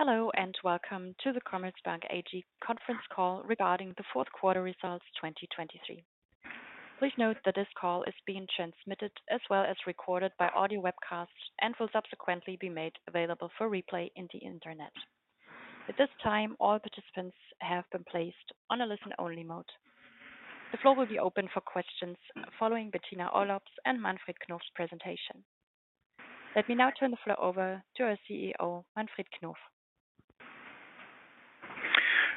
Hello and welcome to the Commerzbank AG conference call regarding the fourth quarter results 2023. Please note that this call is being transmitted as well as recorded by audio webcast and will subsequently be made available for replay on the internet. At this time, all participants have been placed on a listen-only mode. The floor will be open for questions following Bettina Orlopp's and Manfred Knof's presentation. Let me now turn the floor over to our CEO, Manfred Knof.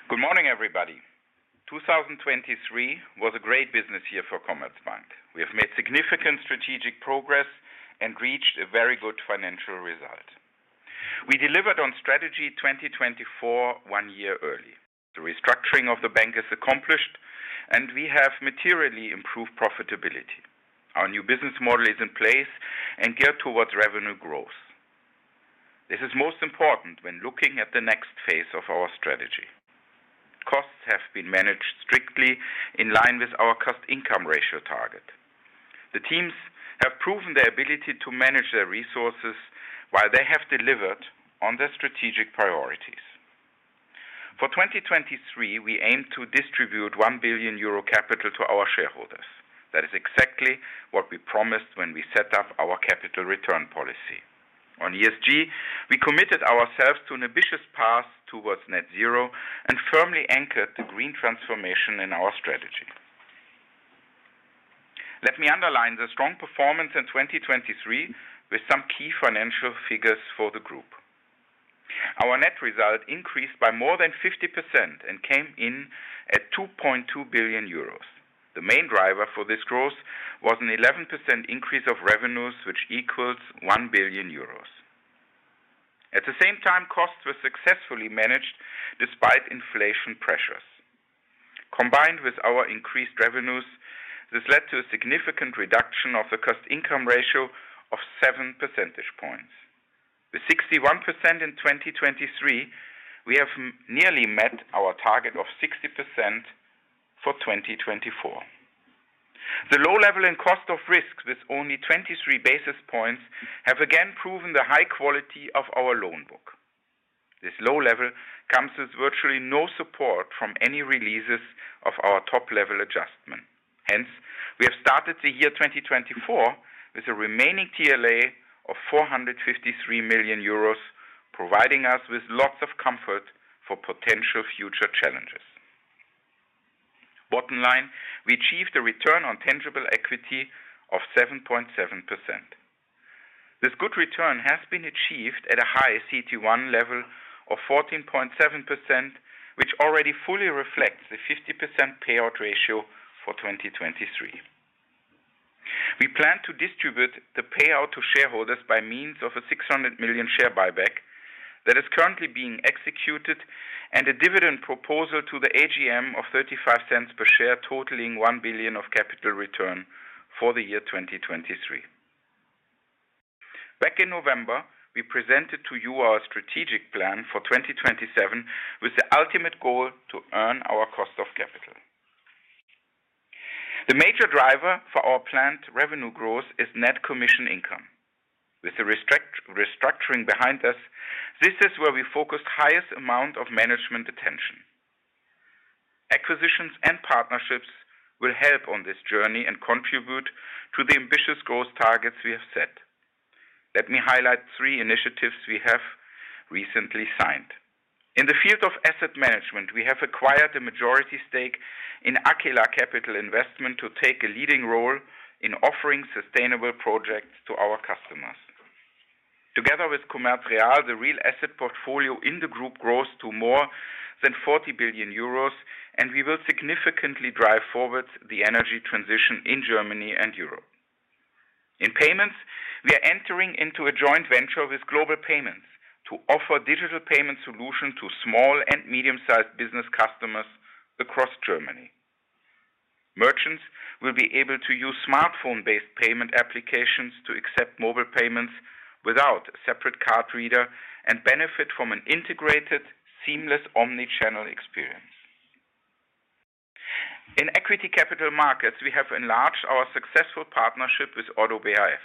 Good morning, everybody. 2023 was a great business year for Commerzbank. We have made significant strategic progress and reached a very good financial result. We delivered on Strategy 2024 one year early. The restructuring of the bank is accomplished, and we have materially improved profitability. Our new business model is in place and geared towards revenue growth. This is most important when looking at the next phase of our strategy. Costs have been managed strictly in line with our cost-income ratio target. The teams have proven their ability to manage their resources while they have delivered on their strategic priorities. For 2023, we aimed to distribute 1 billion euro capital to our shareholders. That is exactly what we promised when we set up our capital return policy. On ESG, we committed ourselves to an ambitious path towards net zero and firmly anchored the green transformation in our strategy. Let me underline the strong performance in 2023 with some key financial figures for the group. Our net result increased by more than 50% and came in at 2.2 billion euros. The main driver for this growth was an 11% increase of revenues, which equals 1 billion euros. At the same time, costs were successfully managed despite inflation pressures. Combined with our increased revenues, this led to a significant reduction of the cost-income ratio of seven percentage points. With 61% in 2023, we have nearly met our target of 60% for 2024. The low level and cost of risk with only 23 basis points have again proven the high quality of our loan book. This low level comes with virtually no support from any releases of our top-level adjustment. Hence, we have started the year 2024 with a remaining TLA of 453 million euros, providing us with lots of comfort for potential future challenges. Bottom line, we achieved a return on tangible equity of 7.7%. This good return has been achieved at a high CET1 level of 14.7%, which already fully reflects the 50% payout ratio for 2023. We plan to distribute the payout to shareholders by means of a 600 million share buyback that is currently being executed and a dividend proposal to the AGM of 0.35 per share, totaling 1 billion of capital return for the year 2023. Back in November, we presented to you our strategic plan for 2027 with the ultimate goal to earn our cost of capital. The major driver for our planned revenue growth is net commission income. With the restructuring behind us, this is where we focused the highest amount of management attention. Acquisitions and partnerships will help on this journey and contribute to the ambitious growth targets we have set. Let me highlight three initiatives we have recently signed. In the field of asset management, we have acquired a majority stake in Aquila Capital Investment to take a leading role in offering sustainable projects to our customers. Together with Commerz Real, the real asset portfolio in the group grows to more than 40 billion euros, and we will significantly drive forward the energy transition in Germany and Europe. In payments, we are entering into a joint venture with Global Payments to offer digital payment solutions to small and medium-sized business customers across Germany. Merchants will be able to use smartphone-based payment applications to accept mobile payments without a separate card reader and benefit from an integrated, seamless omnichannel experience. In equity capital markets, we have enlarged our successful partnership with ODDO BHF.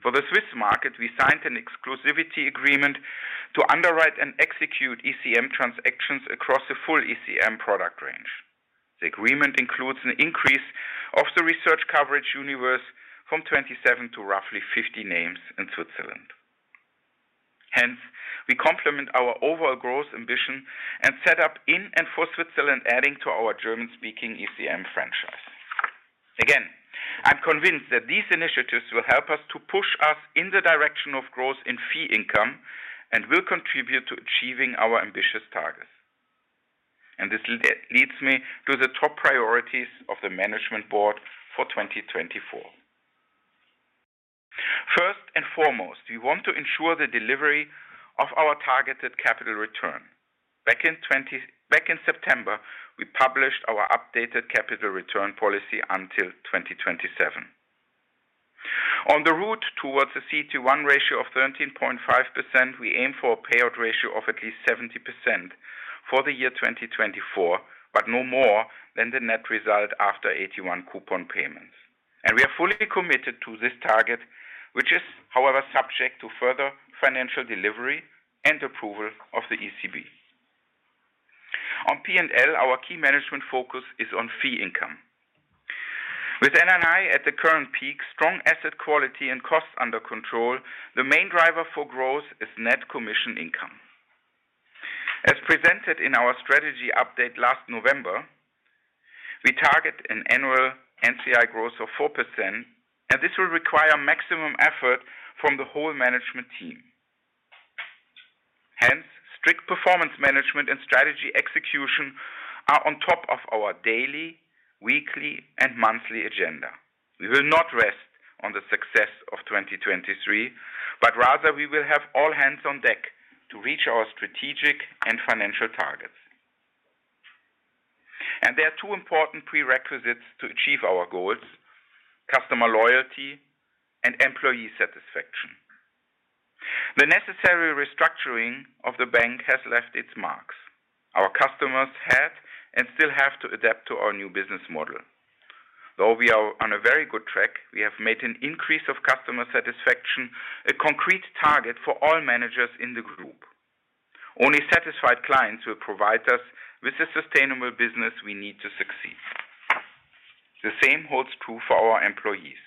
For the Swiss market, we signed an exclusivity agreement to underwrite and execute ECM transactions across the full ECM product range. The agreement includes an increase of the research coverage universe from 27 to roughly 50 names in Switzerland. Hence, we complement our overall growth ambition and set up in and for Switzerland, adding to our German-speaking ECM franchise. Again, I'm convinced that these initiatives will help us to push us in the direction of growth in fee income and will contribute to achieving our ambitious targets. This leads me to the top priorities of the Management Board for 2024. First and foremost, we want to ensure the delivery of our targeted capital return. Back in September, we published our updated capital return policy until 2027. On the route towards a CET1 ratio of 13.5%, we aim for a payout ratio of at least 70% for the year 2024, but no more than the net result after AT1 coupon payments. And we are fully committed to this target, which is, however, subject to further financial delivery and approval of the ECB. On P&L, our key management focus is on fee income. With NII at the current peak, strong asset quality and cost under control, the main driver for growth is net commission income. As presented in our strategy update last November, we target an annual NCI growth of 4%, and this will require maximum effort from the whole management team. Hence, strict performance management and strategy execution are on top of our daily, weekly, and monthly agenda. We will not rest on the success of 2023, but rather we will have all hands on deck to reach our strategic and financial targets. There are two important prerequisites to achieve our goals: customer loyalty and employee satisfaction. The necessary restructuring of the bank has left its marks. Our customers had and still have to adapt to our new business model. Though we are on a very good track, we have made an increase of customer satisfaction a concrete target for all managers in the group. Only satisfied clients will provide us with the sustainable business we need to succeed. The same holds true for our employees.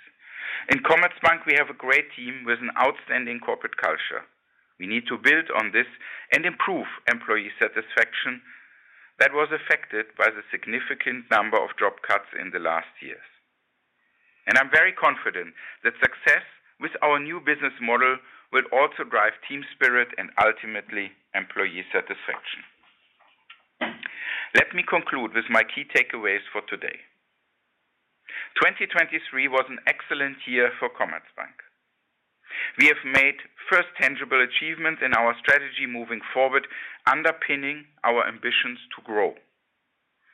In Commerzbank, we have a great team with an outstanding corporate culture. We need to build on this and improve employee satisfaction that was affected by the significant number of job cuts in the last years. I'm very confident that success with our new business model will also drive team spirit and ultimately employee satisfaction. Let me conclude with my key takeaways for today. 2023 was an excellent year for Commerzbank. We have made first tangible achievements in our strategy moving forward, underpinning our ambitions to grow.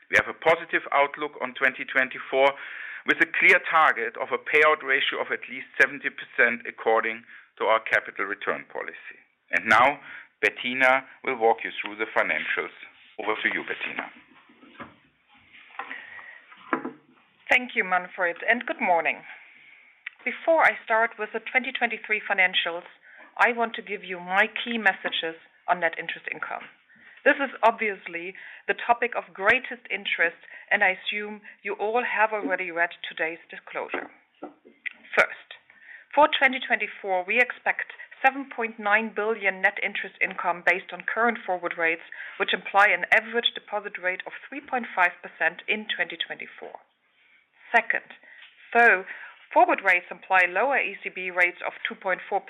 We have a positive outlook on 2024 with a clear target of a payout ratio of at least 70% according to our capital return policy. Now, Bettina will walk you through the financials. Over to you, Bettina. Thank you, Manfred, and good morning. Before I start with the 2023 financials, I want to give you my key messages on net interest income. This is obviously the topic of greatest interest, and I assume you all have already read today's disclosure. First, for 2024, we expect 7.9 billion net interest income based on current forward rates, which imply an average deposit rate of 3.5% in 2024. Second, though forward rates imply lower ECB rates of 2.4% for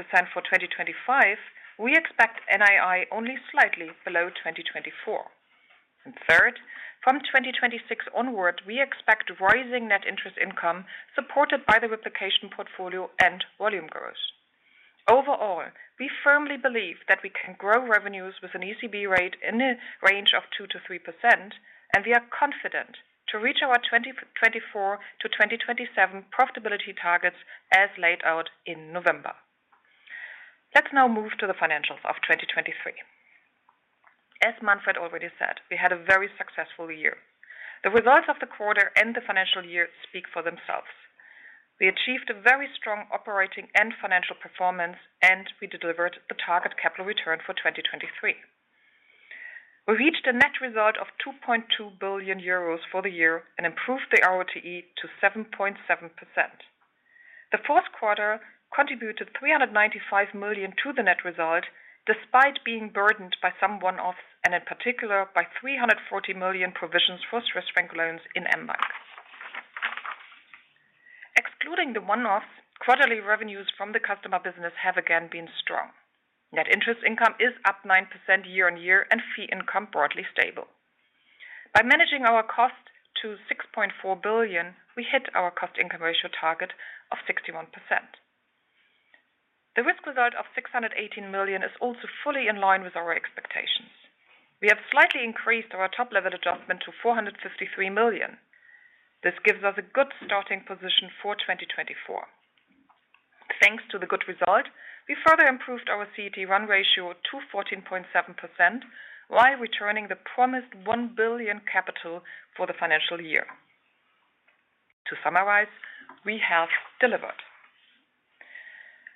2025, we expect NII only slightly below 2024. And third, from 2026 onward, we expect rising net interest income supported by the replication portfolio and volume growth. Overall, we firmly believe that we can grow revenues with an ECB rate in the range of 2%-3%, and we are confident to reach our 2024 to 2027 profitability targets as laid out in November. Let's now move to the financials of 2023. As Manfred already said, we had a very successful year. The results of the quarter and the financial year speak for themselves. We achieved a very strong operating and financial performance, and we delivered the target capital return for 2023. We reached a net result of 2.2 billion euros for the year and improved the ROTE to 7.7%. The fourth quarter contributed 395 million to the net result despite being burdened by some one-offs and, in particular, by 340 million provisions for Swiss franc loans in mBank. Excluding the one-offs, quarterly revenues from the customer business have again been strong. Net interest income is up 9% year on year and fee income broadly stable. By managing our cost to 6.4 billion, we hit our cost-income ratio target of 61%. The risk result of 618 million is also fully in line with our expectations. We have slightly increased our top-level adjustment to 453 million. This gives us a good starting position for 2024. Thanks to the good result, we further improved our CET1 ratio to 14.7% while returning the promised 1 billion capital for the financial year. To summarize, we have delivered.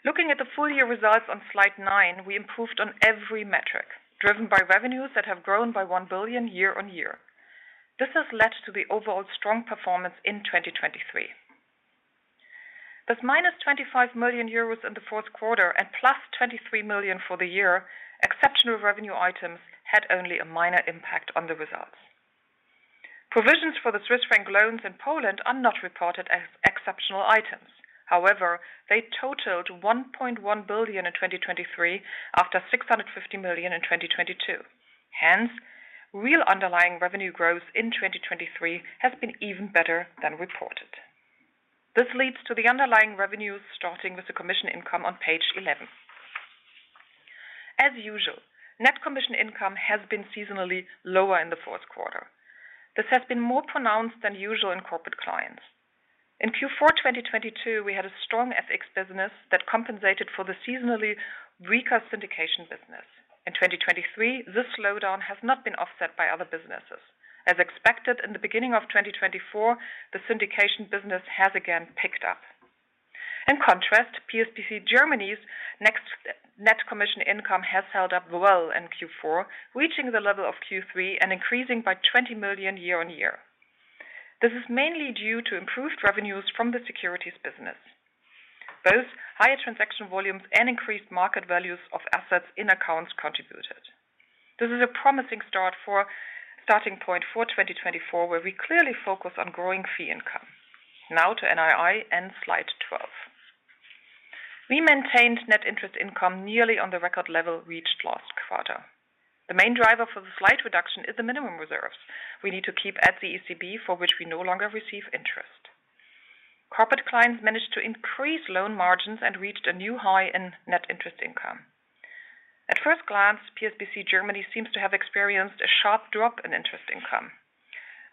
Looking at the full-year results on slide nine, we improved on every metric, driven by revenues that have grown by 1 billion year-on-year. This has led to the overall strong performance in 2023. With 25 million euros in the fourth quarter and plus 23 million for the year, exceptional revenue items had only a minor impact on the results. Provisions for the stress-free loans in Poland are not reported as exceptional items. However, they totaled 1.1 billion in 2023 after 650 million in 2022. Hence, real underlying revenue growth in 2023 has been even better than reported. This leads to the underlying revenues starting with the commission income on page 11. As usual, net commission income has been seasonally lower in the fourth quarter. This has been more pronounced than usual in corporate clients. In Q4 2022, we had a strong FX business that compensated for the seasonally weaker syndication business. In 2023, this slowdown has not been offset by other businesses. As expected in the beginning of 2024, the syndication business has again picked up. In contrast, PSBC Germany's net commission income has held up well in Q4, reaching the level of Q3 and increasing by 20 million year-on-year. This is mainly due to improved revenues from the securities business. Both higher transaction volumes and increased market values of assets in accounts contributed. This is a promising start for starting point for 2024, where we clearly focus on growing fee income. Now to NII and slide 12. We maintained net interest income nearly on the record level reached last quarter. The main driver for the slight reduction is the minimum reserves we need to keep at the ECB, for which we no longer receive interest. Corporate Clients managed to increase loan margins and reached a new high in net interest income. At first glance, PSBC Germany seems to have experienced a sharp drop in interest income.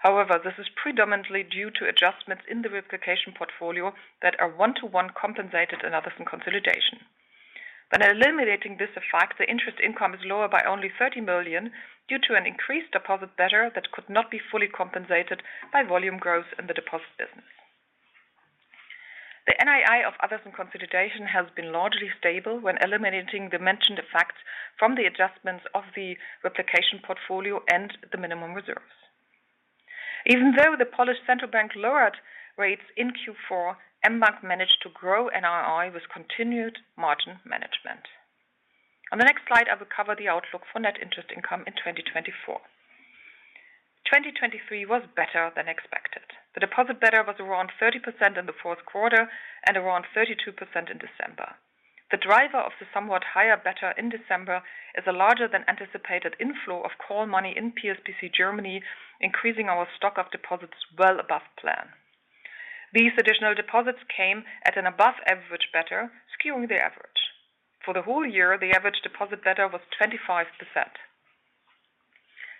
However, this is predominantly due to adjustments in the replication portfolio that are one-to-one compensated in others in consolidation. When eliminating this effect, the interest income is lower by only 30 million due to an increased deposit beta that could not be fully compensated by volume growth in the deposit business. The NII of others in consolidation has been largely stable when eliminating the mentioned effect from the adjustments of the replication portfolio and the minimum reserves. Even though the Polish central bank lowered rates in Q4, mBank managed to grow NII with continued margin management. On the next slide, I will cover the outlook for net interest income in 2024. 2023 was better than expected. The deposit beta was around 30% in the fourth quarter and around 32% in December. The driver of the somewhat higher beta in December is a larger than anticipated inflow of call money in PSBC Germany, increasing our stock of deposits well above plan. These additional deposits came at an above-average beta, skewing the average. For the whole year, the average deposit beta was 25%.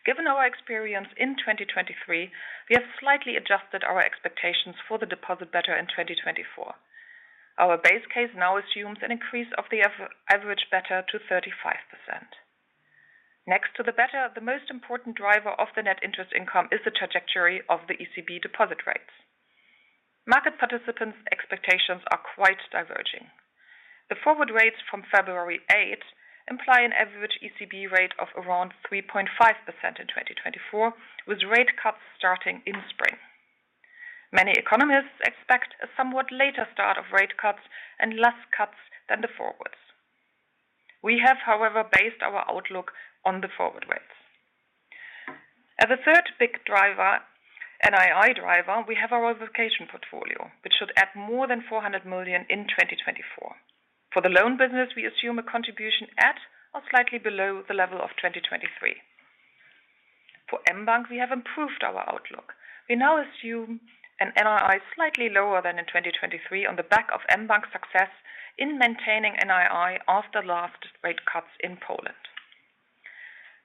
Given our experience in 2023, we have slightly adjusted our expectations for the deposit beta in 2024. Our base case now assumes an increase of the average beta to 35%. Next to the beta, the most important driver of the net interest income is the trajectory of the ECB deposit rates. Market participants' expectations are quite diverging. The forward rates from February 8 imply an average ECB rate of around 3.5% in 2024, with rate cuts starting in spring. Many economists expect a somewhat later start of rate cuts and less cuts than the forwards. We have, however, based our outlook on the forward rates. As a third big NII driver, we have our replication portfolio, which should add more than 400 million in 2024. For the loan business, we assume a contribution at or slightly below the level of 2023. For mBank, we have improved our outlook. We now assume an NII slightly lower than in 2023 on the back of mBank's success in maintaining NII after last rate cuts in Poland.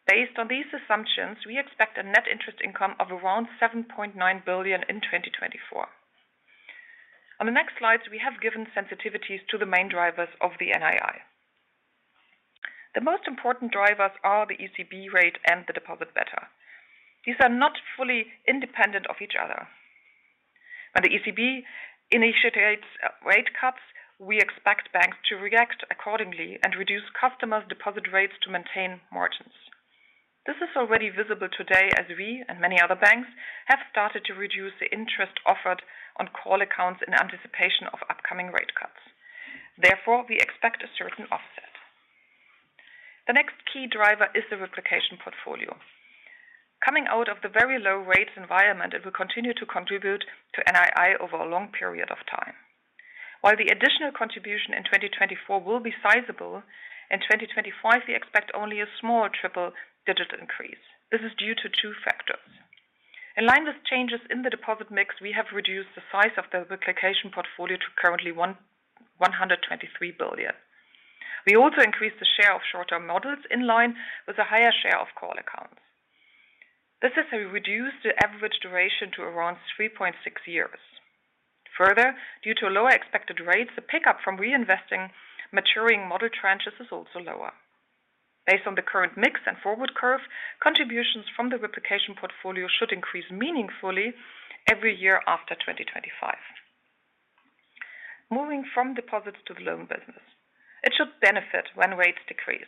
Based on these assumptions, we expect a net interest income of around 7.9 billion in 2024. On the next slides, we have given sensitivities to the main drivers of the NII. The most important drivers are the ECB rate and the deposit beta. These are not fully independent of each other. When the ECB initiates rate cuts, we expect banks to react accordingly and reduce customers' deposit rates to maintain margins. This is already visible today as we and many other banks have started to reduce the interest offered on call accounts in anticipation of upcoming rate cuts. Therefore, we expect a certain offset. The next key driver is the replication portfolio. Coming out of the very low rates environment, it will continue to contribute to NII over a long period of time. While the additional contribution in 2024 will be sizable, in 2025, we expect only a small triple-digit increase. This is due to two factors. In line with changes in the deposit mix, we have reduced the size of the replication portfolio to currently 123 billion. We also increased the share of shorter models in line with a higher share of call accounts. This has reduced the average duration to around 3.6 years. Further, due to lower expected rates, the pickup from reinvesting maturing model tranches is also lower. Based on the current mix and forward curve, contributions from the replication portfolio should increase meaningfully every year after 2025. Moving from deposits to the loan business, it should benefit when rates decrease.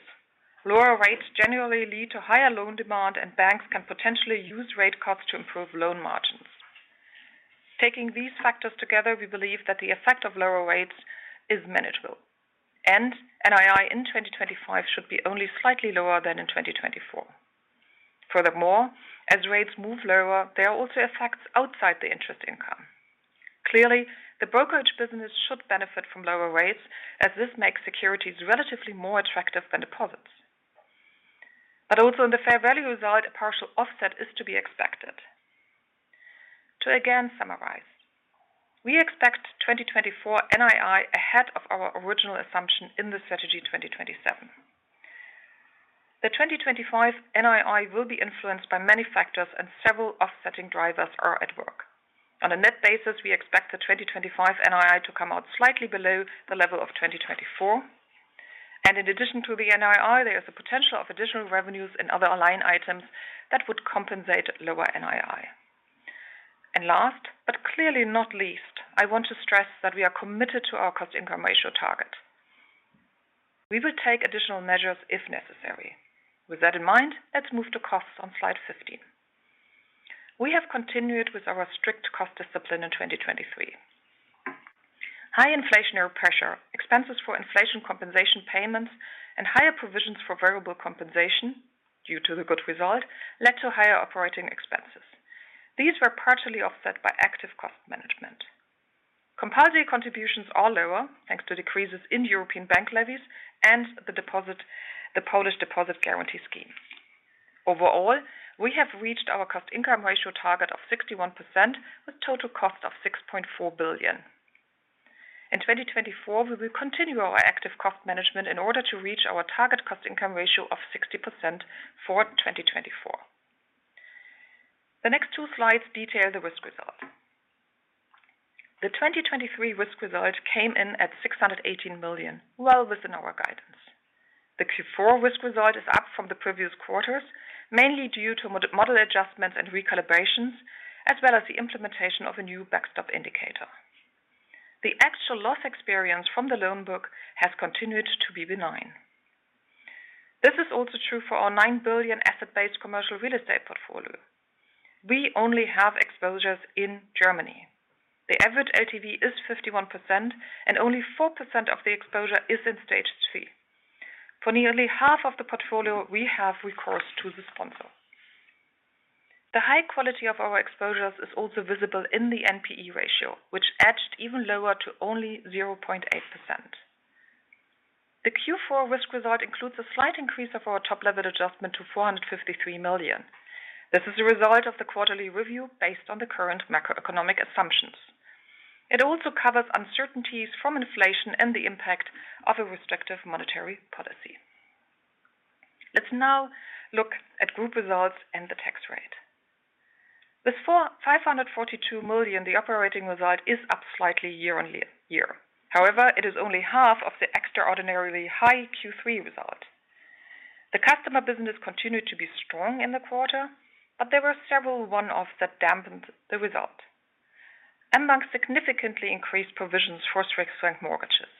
Lower rates generally lead to higher loan demand, and banks can potentially use rate cuts to improve loan margins. Taking these factors together, we believe that the effect of lower rates is manageable, and NII in 2025 should be only slightly lower than in 2024. Furthermore, as rates move lower, there are also effects outside the interest income. Clearly, the brokerage business should benefit from lower rates, as this makes securities relatively more attractive than deposits. But also, in the fair value result, a partial offset is to be expected. To again summarize, we expect 2024 NII ahead of our original assumption in the Strategy 2027. The 2025 NII will be influenced by many factors, and several offsetting drivers are at work. On a net basis, we expect the 2025 NII to come out slightly below the level of 2024. In addition to the NII, there is a potential of additional revenues in other aligned items that would compensate lower NII. Last but clearly not least, I want to stress that we are committed to our cost-income ratio target. We will take additional measures if necessary. With that in mind, let's move to costs on slide 15. We have continued with our strict cost discipline in 2023. High inflationary pressure, expenses for inflation compensation payments, and higher provisions for variable compensation due to the good result led to higher operating expenses. These were partially offset by active cost management. Compulsory contributions are lower thanks to decreases in European bank levies and the Polish deposit guarantee scheme. Overall, we have reached our cost-income ratio target of 61% with total cost of 6.4 billion. In 2024, we will continue our active cost management in order to reach our target cost-income ratio of 60% for 2024. The next two slides detail the risk result. The 2023 risk result came in at 618 million, well within our guidance. The Q4 risk result is up from the previous quarters, mainly due to model adjustments and recalibrations, as well as the implementation of a new backstop indicator. The actual loss experience from the loan book has continued to be benign. This is also true for our 9 billion asset-based commercial real estate portfolio. We only have exposures in Germany. The average LTV is 51%, and only 4% of the exposure is in Stage three. For nearly half of the portfolio, we have recourse to the sponsor. The high quality of our exposures is also visible in the NPE ratio, which edged even lower to only 0.8%. The Q4 risk result includes a slight increase of our top-level adjustment to 453 million. This is a result of the quarterly review based on the current macroeconomic assumptions. It also covers uncertainties from inflation and the impact of a restrictive monetary policy. Let's now look at group results and the tax rate. With 542 million, the operating result is up slightly year-on-year. However, it is only half of the extraordinarily high Q3 result. The customer business continued to be strong in the quarter, but there were several one-offs that dampened the result. mBank significantly increased provisions for Swiss franc mortgages.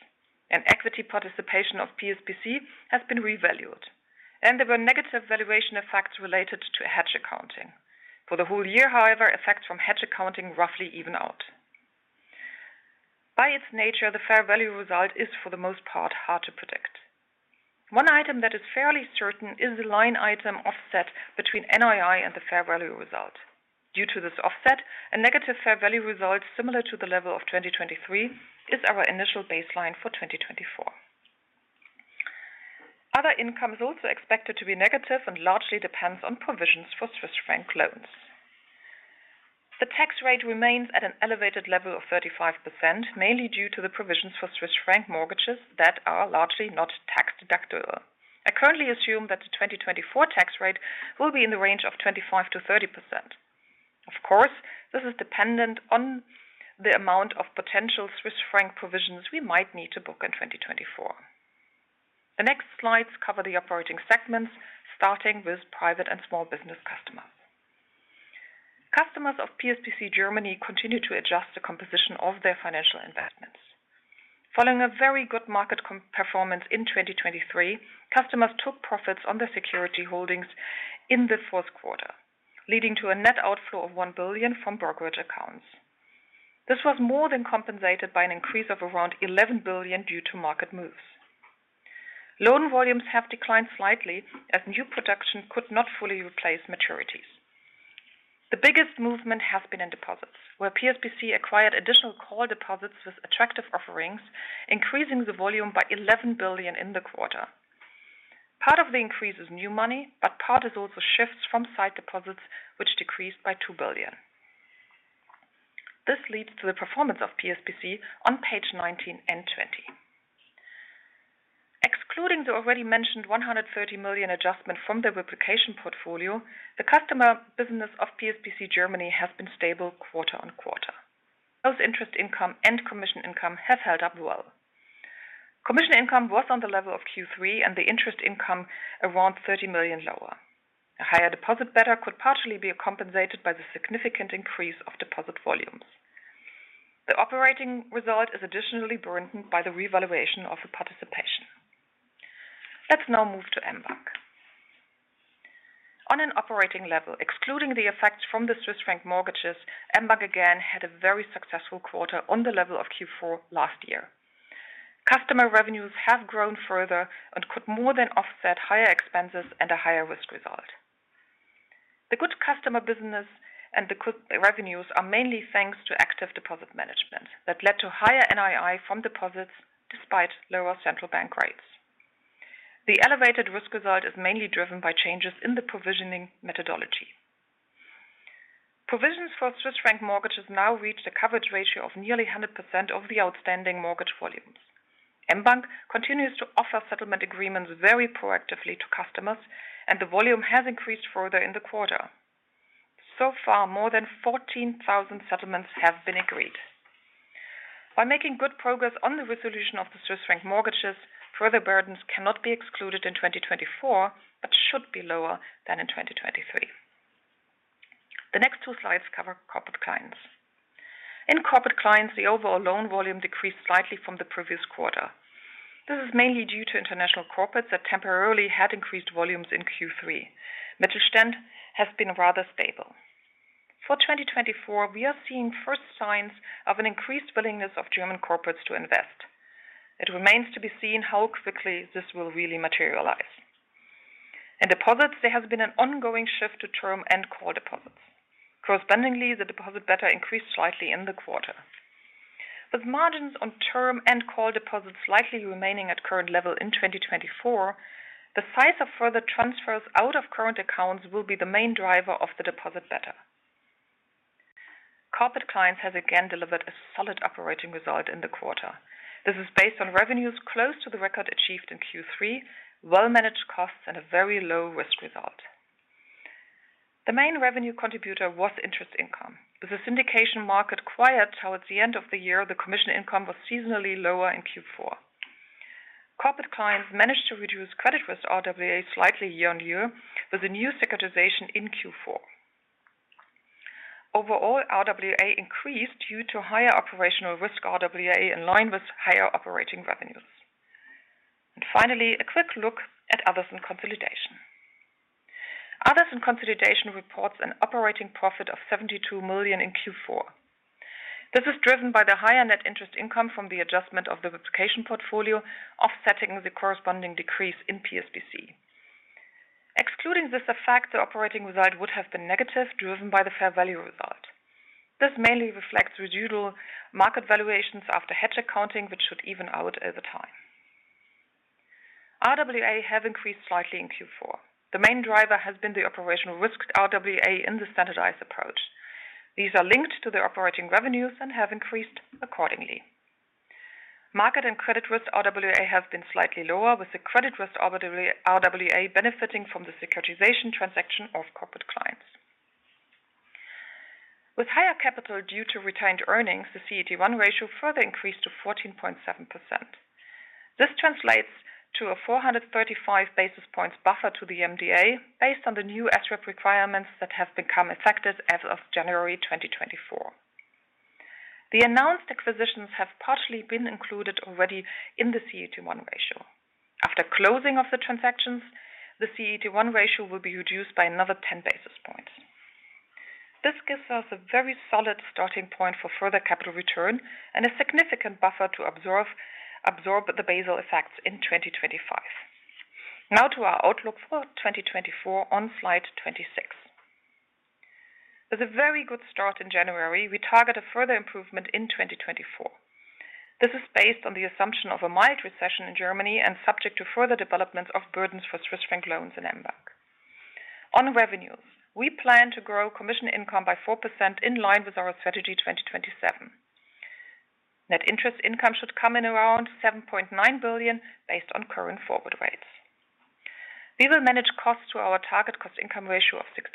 An equity participation of PSBC has been revalued, and there were negative valuation effects related to hedge accounting. For the whole year, however, effects from hedge accounting roughly even out. By its nature, the fair value result is for the most part hard to predict. One item that is fairly certain is the line item offset between NII and the fair value result. Due to this offset, a negative fair value result similar to the level of 2023 is our initial baseline for 2024. Other income is also expected to be negative and largely depends on provisions for stress-free loans. The tax rate remains at an elevated level of 35%, mainly due to the provisions for Swiss franc mortgages that are largely not tax deductible. I currently assume that the 2024 tax rate will be in the range of 25%-30%. Of course, this is dependent on the amount of potential Swiss franc provisions we might need to book in 2024. The next slides cover the operating segments, starting with Private and Small-Business Customers. Customers of PSBC Germany continue to adjust the composition of their financial investments. Following a very good market performance in 2023, customers took profits on their securities holdings in the fourth quarter, leading to a net outflow of 1 billion from brokerage accounts. This was more than compensated by an increase of around 11 billion due to market moves. Loan volumes have declined slightly as new production could not fully replace maturities. The biggest movement has been in deposits, where PSBC acquired additional call deposits with attractive offerings, increasing the volume by 11 billion in the quarter. Part of the increase is new money, but part is also shifts from sight deposits, which decreased by 2 billion. This leads to the performance of PSBC on page 19 and 20. Excluding the already mentioned 130 million adjustment from the replication portfolio, the customer business of PSBC Germany has been stable quarter-on-quarter. Both interest income and commission income have held up well. Commission income was on the level of Q3 and the interest income around 30 million lower. A higher deposit beta could partially be compensated by the significant increase of deposit volumes. The operating result is additionally burdened by the revaluation of the participation. Let's now move to mBank. On an operating level, excluding the effects from the stress-free mortgages, mBank again had a very successful quarter on the level of Q4 last year. Customer revenues have grown further and could more than offset higher expenses and a higher risk result. The good customer business and the good revenues are mainly thanks to active deposit management that led to higher NII from deposits despite lower central bank rates. The elevated risk result is mainly driven by changes in the provisioning methodology. Provisions for stress-free mortgages now reach the coverage ratio of nearly 100% of the outstanding mortgage volumes. mBank continues to offer settlement agreements very proactively to customers, and the volume has increased further in the quarter. So far, more than 14,000 settlements have been agreed. By making good progress on the resolution of the stress-free mortgages, further burdens cannot be excluded in 2024 but should be lower than in 2023. The next two slides cover corporate clients. In corporate clients, the overall loan volume decreased slightly from the previous quarter. This is mainly due to international corporates that temporarily had increased volumes in Q3. Mittelstand has been rather stable. For 2024, we are seeing first signs of an increased willingness of German corporates to invest. It remains to be seen how quickly this will really materialize. In deposits, there has been an ongoing shift to term and call deposits. Correspondingly, the deposit beta increased slightly in the quarter. With margins on term and call deposits likely remaining at current level in 2024, the size of further transfers out of current accounts will be the main driver of the deposit beta. Corporate Clients have again delivered a solid operating result in the quarter. This is based on revenues close to the record achieved in Q3, well-managed costs, and a very low risk result. The main revenue contributor was interest income. With the syndication market quiet towards the end of the year, the commission income was seasonally lower in Q4. Corporate Clients managed to reduce credit risk RWA slightly year-on-year with a new securitization in Q4. Overall, RWA increased due to higher operational risk RWA in line with higher operating revenues. Finally, a quick look at Others in Consolidation. Others in Consolidation reports an operating profit of 72 million in Q4. This is driven by the higher net interest income from the adjustment of the replication portfolio, offsetting the corresponding decrease in PSBC. Excluding this effect, the operating result would have been negative, driven by the fair value result. This mainly reflects residual market valuations after hedge accounting, which should even out over time. RWA have increased slightly in Q4. The main driver has been the operational risk RWA in the standardized approach. These are linked to the operating revenues and have increased accordingly. Market and credit risk RWA have been slightly lower, with the credit risk RWA benefiting from the securitization transaction of corporate clients. With higher capital due to retained earnings, the CET1 ratio further increased to 14.7%. This translates to a 435 basis points buffer to the MDA based on the new SREP requirements that have become effective as of January 2024. The announced acquisitions have partially been included already in the CET1 ratio. After closing of the transactions, the CET1 ratio will be reduced by another 10 basis points. This gives us a very solid starting point for further capital return and a significant buffer to absorb the Basel effects in 2025. Now to our outlook for 2024 on slide 26. With a very good start in January, we target a further improvement in 2024. This is based on the assumption of a mild recession in Germany and subject to further developments of burdens for stress-free loans in mBank. On revenues, we plan to grow commission income by 4% in line with our Strategy 2027. Net interest income should come in around 7.9 billion based on current forward rates. We will manage costs to our target cost-income ratio of 60%.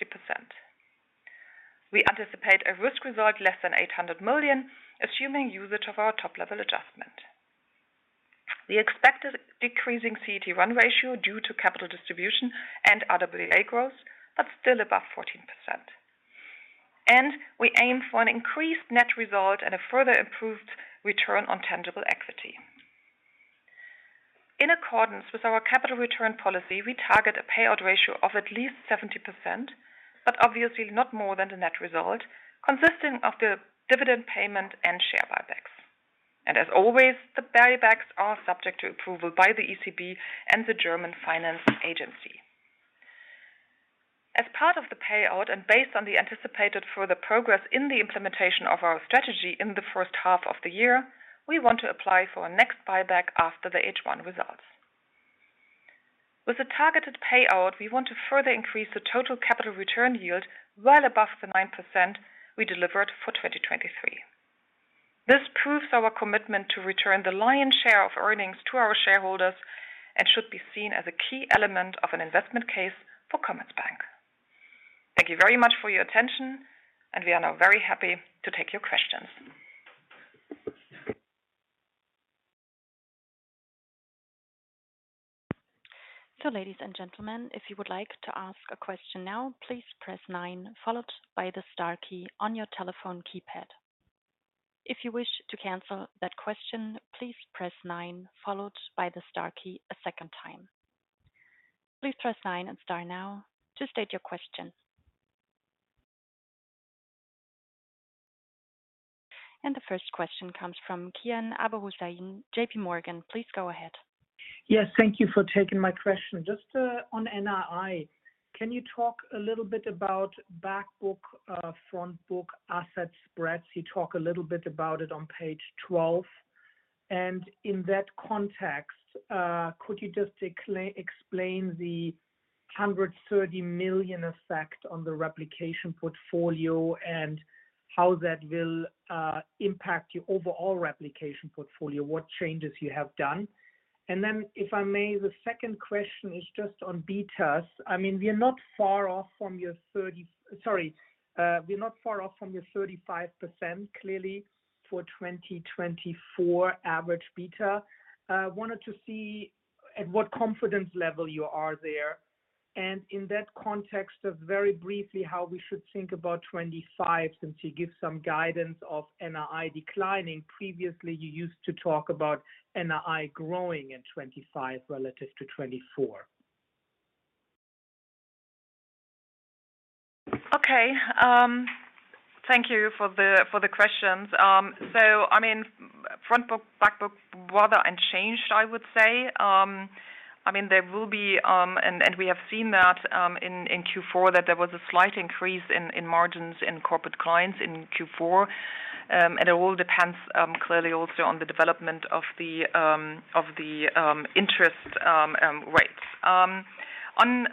We anticipate a risk result less than 800 million, assuming usage of our top-level adjustment. We expect a decreasing CET1 ratio due to capital distribution and RWA growth, but still above 14%. We aim for an increased net result and a further improved return on tangible equity. In accordance with our capital return policy, we target a payout ratio of at least 70%, but obviously not more than the net result, consisting of the dividend payment and share buybacks. As always, the buybacks are subject to approval by the ECB and the German Finance Agency. As part of the payout and based on the anticipated further progress in the implementation of our strategy in the first half of the year, we want to apply for a next buyback after the H1 results. With a targeted payout, we want to further increase the total capital return yield well above the 9% we delivered for 2023. This proves our commitment to return the lion's share of earnings to our shareholders and should be seen as a key element of an investment case for Commerzbank. Thank you very much for your attention, and we are now very happy to take your questions. So ladies and gentlemen, if you would like to ask a question now, please press nine followed by the star key on your telephone keypad. If you wish to cancel that question, please press nine followed by the star key a second time. Please press nine and star now to state your question. And the first question comes from Kian Abouhossein, JPMorgan. Please go ahead. Yes, thank you for taking my question. Just on NII, can you talk a little bit about backbook, frontbook, asset spreads? You talk a little bit about it on page 12. And in that context, could you just explain the 130 million effect on the replication portfolio and how that will impact your overall replication portfolio, what changes you have done? And then, if I may, the second question is just on betas. I mean, we are not far off from your 30 sorry, we are not far off from your 35% clearly for 2024 average beta. I wanted to see at what confidence level you are there. And in that context, just very briefly, how we should think about 2025 since you give some guidance of NII declining. Previously, you used to talk about NII growing in 2025 relative to 2024. Okay. Thank you for the questions. So I mean, front book, back book, rather unchanged, I would say. I mean, there will be and we have seen that in Q4 that there was a slight increase in margins in corporate clients in Q4. And it all depends clearly also on the development of the interest rates. On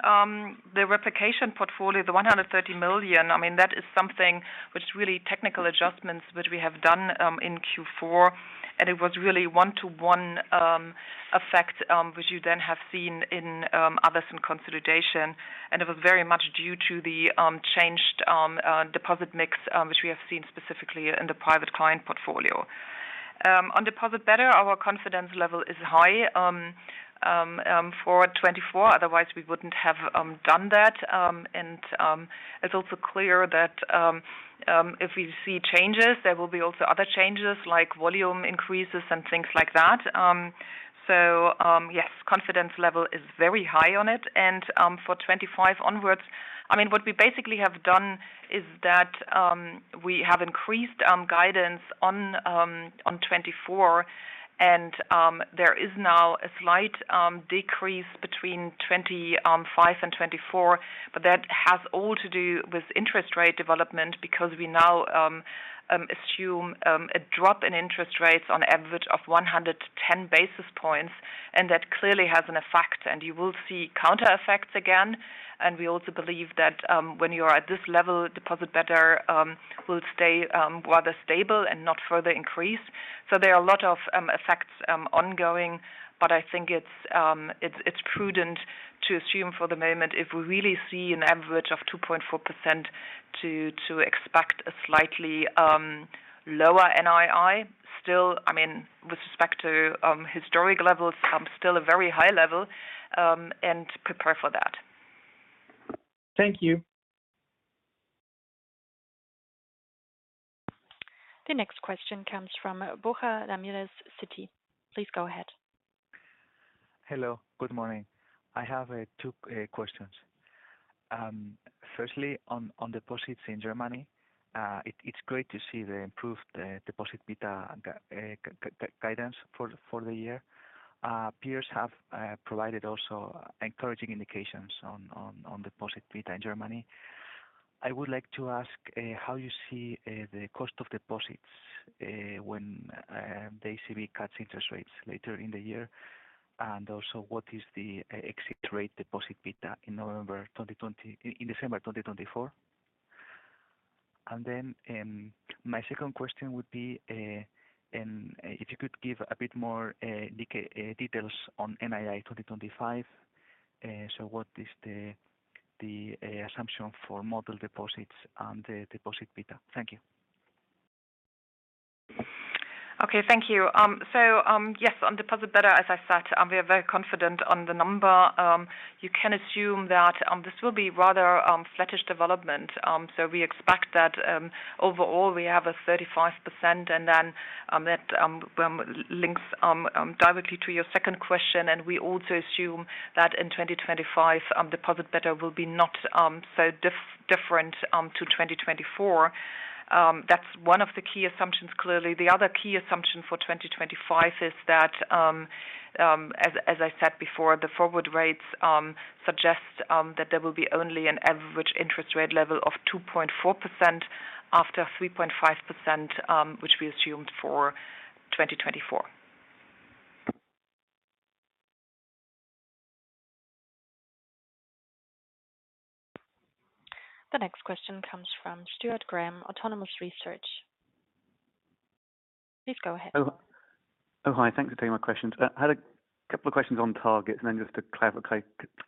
the replication portfolio, the 130 million, I mean, that is something which really technical adjustments which we have done in Q4, and it was really one-to-one effect which you then have seen in others in consolidation. And it was very much due to the changed deposit mix which we have seen specifically in the private client portfolio. On deposit beta, our confidence level is high for 2024. Otherwise, we wouldn't have done that. And it's also clear that if we see changes, there will be also other changes like volume increases and things like that. So yes, confidence level is very high on it. For 2025 onwards, I mean, what we basically have done is that we have increased guidance on 2024. And there is now a slight decrease between 2025 and 2024, but that has all to do with interest rate development because we now assume a drop in interest rates on average of 110 basis points. And that clearly has an effect. And you will see counter-effects again. And we also believe that when you are at this level, deposit beta will stay rather stable and not further increase. So there are a lot of effects ongoing. But I think it's prudent to assume for the moment if we really see an average of 2.4% to expect a slightly lower NII still, I mean, with respect to historic levels, still a very high level and prepare for that. Thank you. The next question comes from Borja Ramirez, Citi. Please go ahead. Hello. Good morning. I have two questions. Firstly, on deposits in Germany, it's great to see the improved deposit beta guidance for the year. Peers have provided also encouraging indications on deposit beta in Germany. I would like to ask how you see the cost of deposits when the ECB cuts interest rates later in the year, and also what is the exit rate deposit beta in November 2020 in December 2024. And then my second question would be if you could give a bit more details on NII 2025. So what is the assumption for model deposits and the deposit beta? Thank you. Okay. Thank you. So yes, on deposit beta, as I said, we are very confident on the number. You can assume that this will be rather flat-ish development. So we expect that overall, we have a 35% and then that links directly to your second question. And we also assume that in 2025, deposit beta will be not so different to 2024. That's one of the key assumptions clearly. The other key assumption for 2025 is that, as I said before, the forward rates suggest that there will be only an average interest rate level of 2.4% after 3.5%, which we assumed for 2024. The next question comes from Stuart Graham, Autonomous Research. Please go ahead. Oh, hi. Thanks for taking my questions. I had a couple of questions on targets and then just a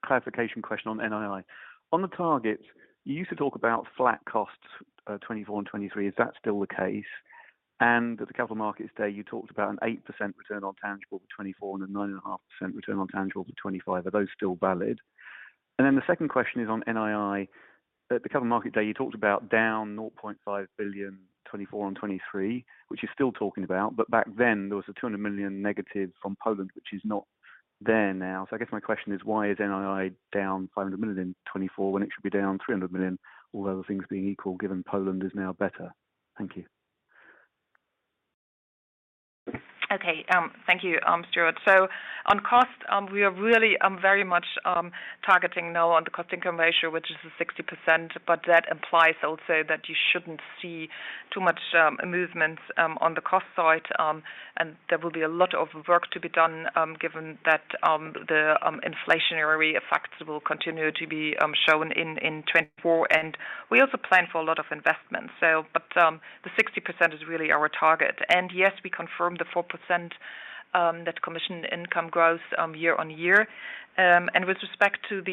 clarification question on NII. On the targets, you used to talk about flat costs 2024 and 2023. Is that still the case? And at the Capital Markets Day, you talked about an 8% return on tangible for 2024 and a 9.5% return on tangible for 2025. Are those still valid? And then the second question is on NII. At the Capital Markets Day, you talked about down 0.5 billion 2024 and 2023, which you're still talking about. But back then, there was a 200 million negative from Poland, which is not there now. So I guess my question is, why is NII down 500 million in 2024 when it should be down 300 million, all other things being equal given Poland is now better? Thank you. Okay. Thank you, Stuart. So on cost, we are really very much targeting now on the cost-income ratio, which is 60%. But that implies also that you shouldn't see too much movements on the cost side. And there will be a lot of work to be done given that the inflationary effects will continue to be shown in 2024. And we also plan for a lot of investments. But the 60% is really our target. And yes, we confirm the 4% that commission income grows year-over-year. And with respect to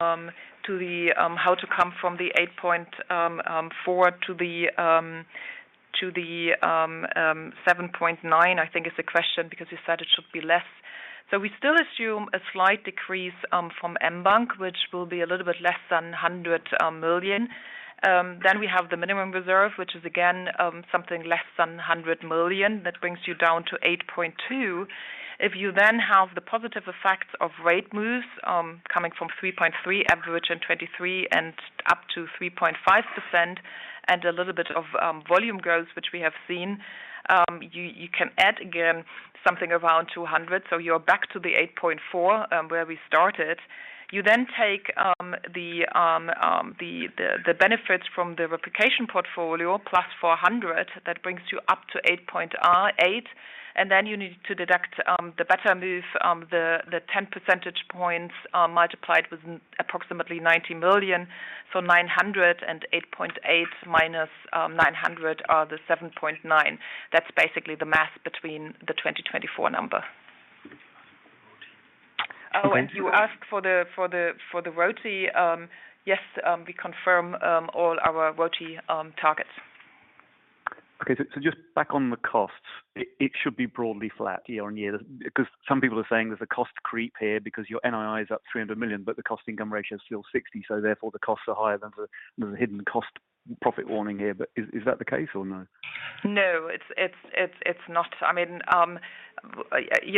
how to come from the 8.4 to the 7.9, I think is the question because you said it should be less. So we still assume a slight decrease from mBank, which will be a little bit less than 100 million. Then we have the minimum reserve, which is again something less than 100 million. That brings you down to 8.2. If you then have the positive effects of rate moves coming from 3.3% average in 2023 and up to 3.5% and a little bit of volume growth, which we have seen, you can add again something around 200. So you are back to the 8.4 where we started. You then take the benefits from the replication portfolio plus 400. That brings you up to 8.8. And then you need to deduct the better move, the 10 percentage points multiplied with approximately 90 million. So 900 million and 8.8 minus 900 million are the 7.9. That's basically the math between the 2024 number. [audio distortion[ Oh, and you asked for the ROTE. Yes, we confirm all our ROTE targets. Okay. So just back on the costs, it should be broadly flat year-on-year because some people are saying there's a cost creep here because your NII is up 300 million, but the cost-income ratio is still 60%. So therefore, the costs are higher than the hidden cost profit warning here. But is that the case or no? No, it's not. I mean, we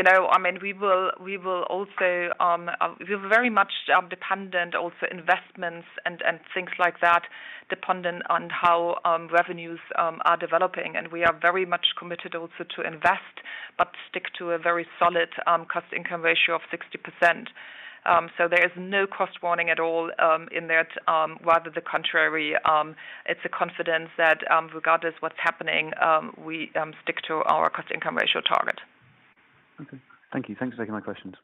are very much dependent also investments and things like that dependent on how revenues are developing. We are very much committed also to invest but stick to a very solid cost-income ratio of 60%. So there is no cost warning at all in that. Rather the contrary, it's a confidence that regardless of what's happening, we stick to our cost-income ratio target. Okay. Thank you. Thanks for taking my questions.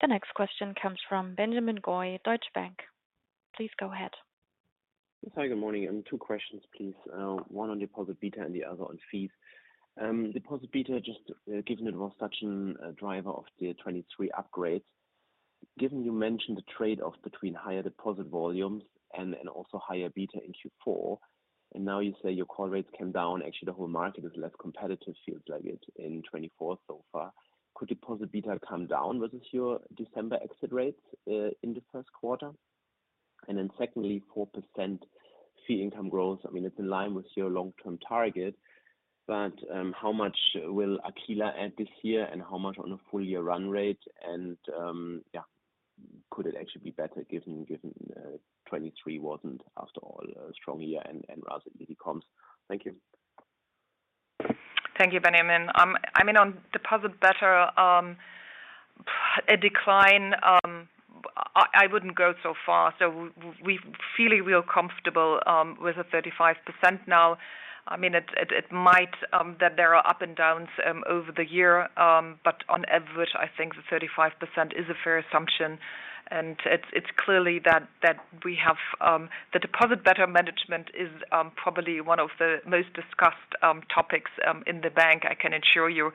The next question comes from Benjamin Goy, Deutsche Bank. Please go ahead. Hi. Good morning. Two questions, please. One on deposit beta and the other on fees. Deposit beta, just given it was such a driver of the 2023 upgrades, given you mentioned the trade-off between higher deposit volumes and also higher beta in Q4, and now you say your call rates came down, actually, the whole market is less competitive, feels like it, in 2024 so far, could deposit beta come down versus your December exit rates in the first quarter? And then secondly, 4% fee income growth, I mean, it's in line with your long-term target. But how much will Aquila add this year and how much on a full-year run rate? And yeah, could it actually be better given 2023 wasn't, after all, a strong year and rather easy comps? Thank you. Thank you, Benjamin. I mean, on deposit beta, a decline, I wouldn't go so far. So we feel real comfortable with a 35% now. I mean, it might that there are ups and downs over the year. But on average, I think the 35% is a fair assumption. And it's clear that we have the deposit beta management is probably one of the most discussed topics in the bank, I can assure you.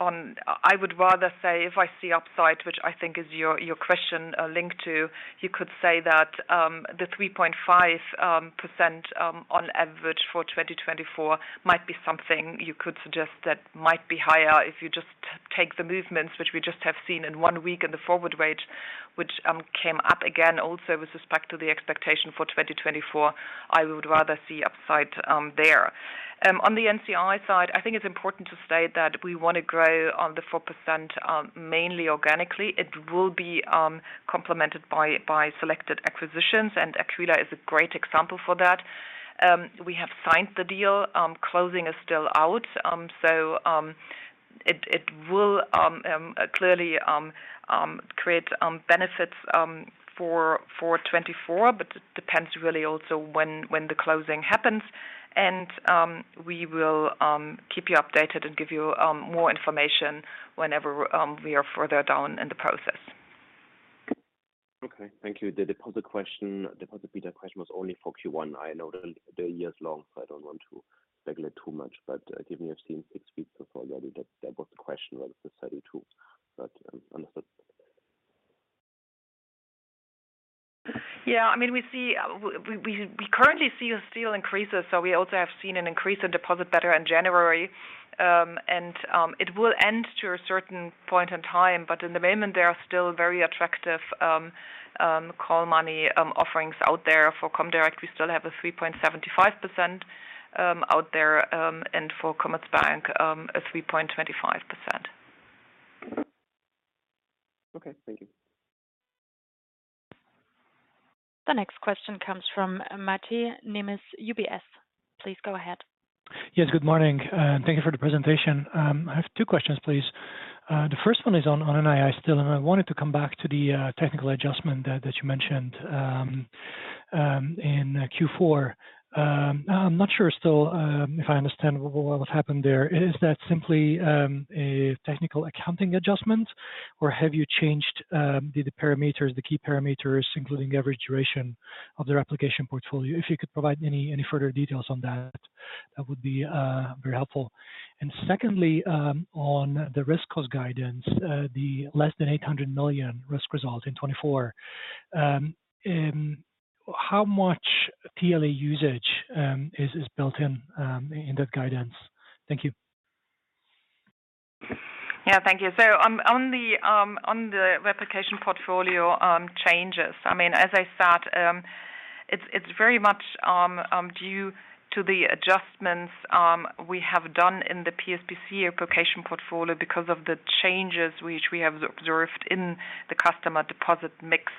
And I would rather say if I see upside, which I think is your question linked to, you could say that the 3.5% on average for 2024 might be something you could suggest that might be higher if you just take the movements which we just have seen in one week in the forward rate, which came up again also with respect to the expectation for 2024, I would rather see upside there. On the NCI side, I think it's important to state that we want to grow on the 4% mainly organically. It will be complemented by selected acquisitions. Aquila is a great example for that. We have signed the deal. Closing is still out. It will clearly create benefits for 2024. But it depends really also when the closing happens. We will keep you updated and give you more information whenever we are further down in the process. Okay. Thank you. The deposit beta question was only for Q1. I know the year is long, so I don't want to speculate too much. But given you have seen six feeds so far already, that was the question versus 2032. But understood. Yeah. I mean, we currently see a steep increase. So we also have seen an increase in deposit beta in January. And it will end to a certain point in time. But in the moment, there are still very attractive call money offerings out there for comdirect. We still have a 3.75% out there. And for Commerzbank, a 3.25%. Okay. Thank you. The next question comes from Mate Nemes, UBS. Please go ahead. Yes. Good morning. Thank you for the presentation. I have two questions, please. The first one is on NII still. I wanted to come back to the technical adjustment that you mentioned in Q4. I'm not sure still if I understand what happened there. Is that simply a technical accounting adjustment? Or have you changed the key parameters, including average duration of the replication portfolio? If you could provide any further details on that, that would be very helpful. And secondly, on the risk cost guidance, the less than 800 million risk result in 2024, how much TLA usage is built in that guidance? Thank you. Yeah. Thank you. So on the replication portfolio changes, I mean, as I said, it's very much due to the adjustments we have done in the PSBC replication portfolio because of the changes which we have observed in the customer deposit mix.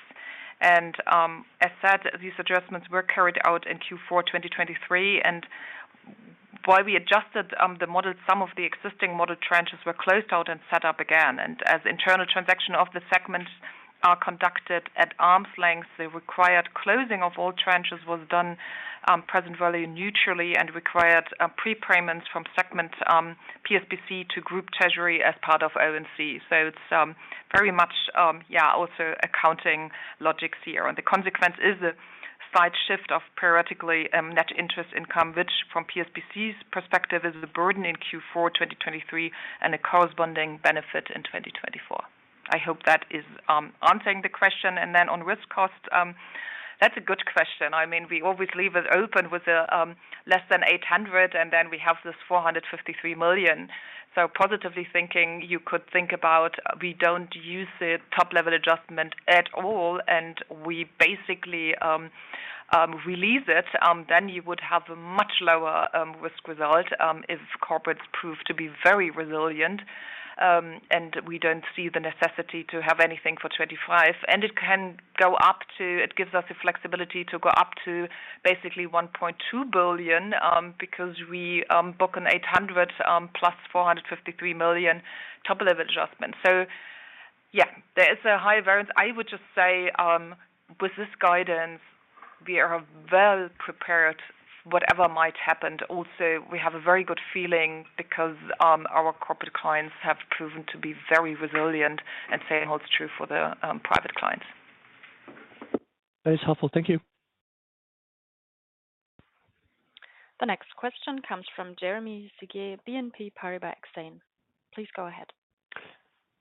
And as said, these adjustments were carried out in Q4 2023. And while we adjusted the model, some of the existing model tranches were closed out and set up again. And as internal transactions of the segments are conducted at arm's length, the required closing of all tranches was done present value neutrally and required prepayments from segment PSBC to group treasury as part of ONC. So it's very much, yeah, also accounting logic here. And the consequence is the slight shift of periodic net interest income, which from PSBC's perspective is a burden in Q4 2023 and a corresponding benefit in 2024. I hope that is answering the question. Then on risk costs, that's a good question. I mean, we always leave it open with less than 800 million. Then we have this 453 million. So positively thinking, you could think about we don't use the top-level adjustment at all. And we basically release it. Then you would have a much lower risk result if corporates prove to be very resilient. And we don't see the necessity to have anything for 2025. And it can go up to it gives us a flexibility to go up to basically 1.2 billion because we book an 800 million plus 453 million top-level adjustment. So yeah, there is a high variance. I would just say with this guidance, we are well prepared whatever might happen. Also, we have a very good feeling because our corporate clients have proven to be very resilient. Same holds true for the private clients. That is helpful. Thank you. The next question comes from Jeremy Sigee, BNP Paribas Exane. Please go ahead.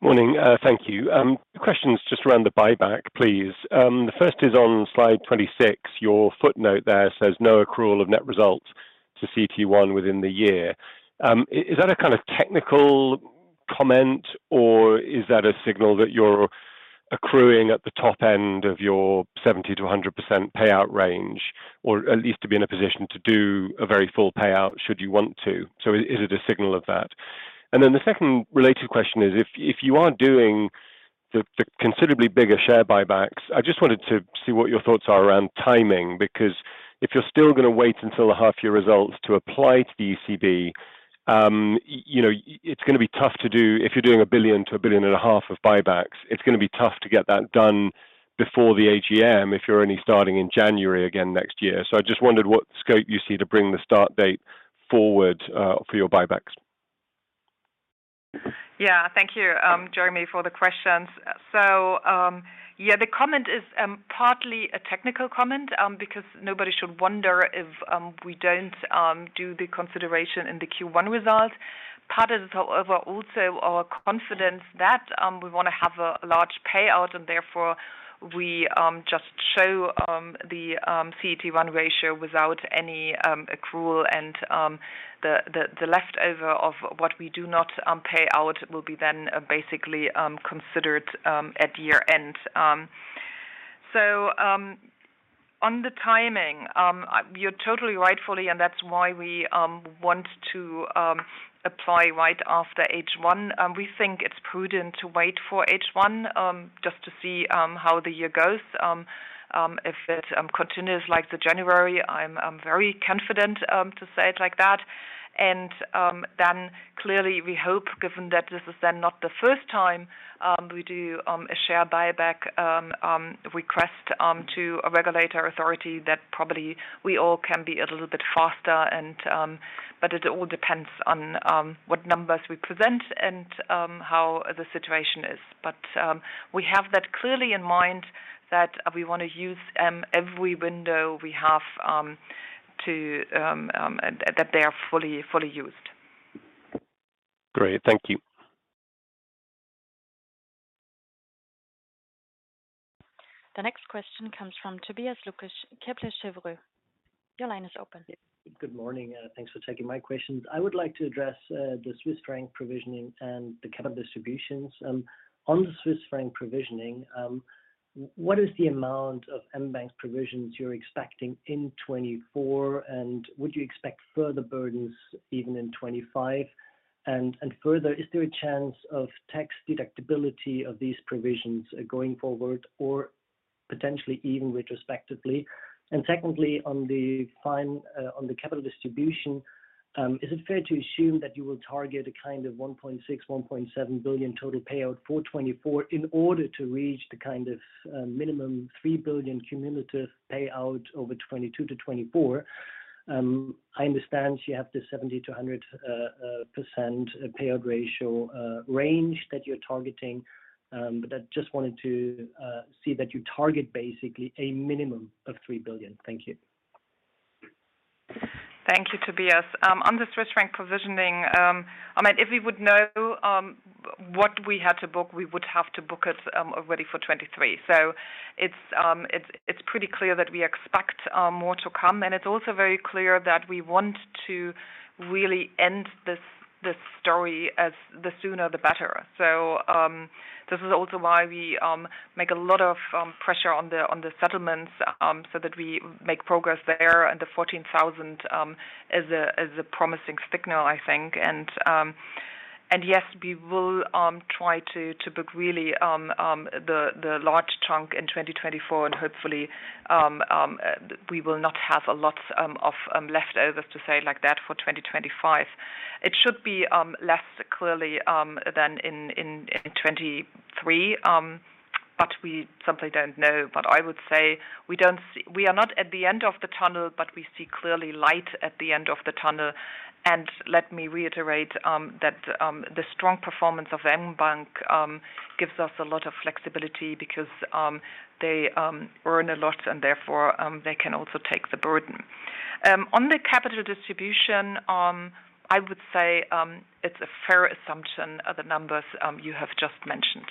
Morning. Thank you. Questions just around the buyback, please. The first is on slide 26. Your footnote there says no accrual of net results to CET1 within the year. Is that a kind of technical comment? Or is that a signal that you're accruing at the top end of your 70%-100% payout range or at least to be in a position to do a very full payout should you want to? So is it a signal of that? Then the second related question is if you are doing the considerably bigger share buybacks. I just wanted to see what your thoughts are around timing because if you're still going to wait until the half-year results to apply to the ECB, it's going to be tough to do if you're doing 1 billion-1.5 billion of buybacks. It's going to be tough to get that done before the AGM if you're only starting in January again next year. So I just wondered what scope you see to bring the start date forward for your buybacks. Yeah. Thank you, Jeremy, for the questions. So yeah, the comment is partly a technical comment because nobody should wonder if we don't do the consideration in the Q1 result. Part of it is, however, also our confidence that we want to have a large payout. And therefore, we just show the CET1 ratio without any accrual. And the leftover of what we do not pay out will be then basically considered at year-end. So on the timing, you're totally rightfully and that's why we want to apply right after H1. We think it's prudent to wait for H1 just to see how the year goes. If it continues like the January, I'm very confident to say it like that. Then clearly, we hope given that this is then not the first time we do a share buyback request to a regulatory authority that probably we all can be a little bit faster. It all depends on what numbers we present and how the situation is. We have that clearly in mind that we want to use every window we have that they are fully used. Great. Thank you. The next question comes from Tobias Lukesch, Kepler Cheuvreux. Your line is open. Good morning. Thanks for taking my questions. I would like to address the Swiss franc provisioning and the capital distributions. On the Swiss franc provisioning, what is the amount of mBank's provisions you're expecting in 2024? And would you expect further burdens even in 2025? And further, is there a chance of tax deductibility of these provisions going forward or potentially even retrospectively? And secondly, on the capital distribution, is it fair to assume that you will target a kind of 1.6 billion, 1.7 billion total payout for 2024 in order to reach the kind of minimum 3 billion cumulative payout over 2022 to 2024? I understand you have this 70%-100% payout ratio range that you're targeting. But I just wanted to see that you target basically a minimum of 3 billion. Thank you. Thank you, Tobias. On the Swiss franc provisioning, I mean, if we would know what we had to book, we would have to book it already for 2023. So it's pretty clear that we expect more to come. And it's also very clear that we want to really end this story as the sooner the better. So this is also why we make a lot of pressure on the settlements so that we make progress there. And the 14,000 is a promising signal, I think. And yes, we will try to book really the large chunk in 2024. And hopefully, we will not have a lot of leftovers to say it like that for 2025. It should be less clearly than in 2023. But we simply don't know. But I would say we are not at the end of the tunnel. We see clearly light at the end of the tunnel. Let me reiterate that the strong performance of mBank gives us a lot of flexibility because they earn a lot. Therefore, they can also take the burden. On the capital distribution, I would say it's a fair assumption, the numbers you have just mentioned.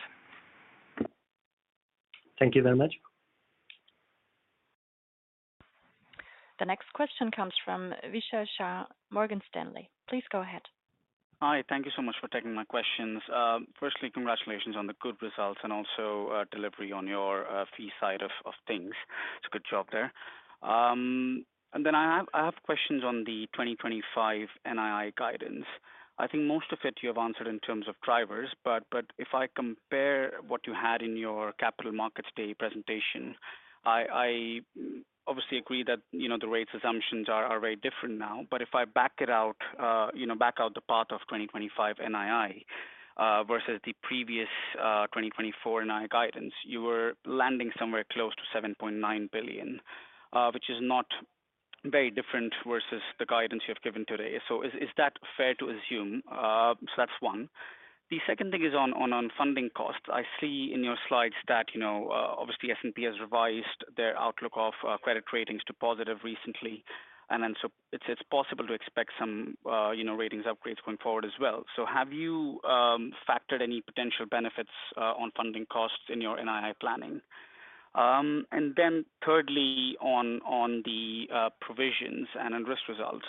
Thank you very much. The next question comes from Vishal Shah, Morgan Stanley. Please go ahead. Hi. Thank you so much for taking my questions. Firstly, congratulations on the good results and also delivery on your fee side of things. It's a good job there. Then I have questions on the 2025 NII guidance. I think most of it you have answered in terms of drivers. But if I compare what you had in your Capital Markets Day presentation, I obviously agree that the rates assumptions are very different now. But if I back out the path of 2025 NII versus the previous 2024 NII guidance, you were landing somewhere close to 7.9 billion, which is not very different versus the guidance you have given today. So is that fair to assume? So that's one. The second thing is on funding costs. I see in your slides that obviously, S&P has revised their outlook of credit ratings to positive recently. So it's possible to expect some ratings upgrades going forward as well. So have you factored any potential benefits on funding costs in your NII planning? And then thirdly, on the provisions and risk results,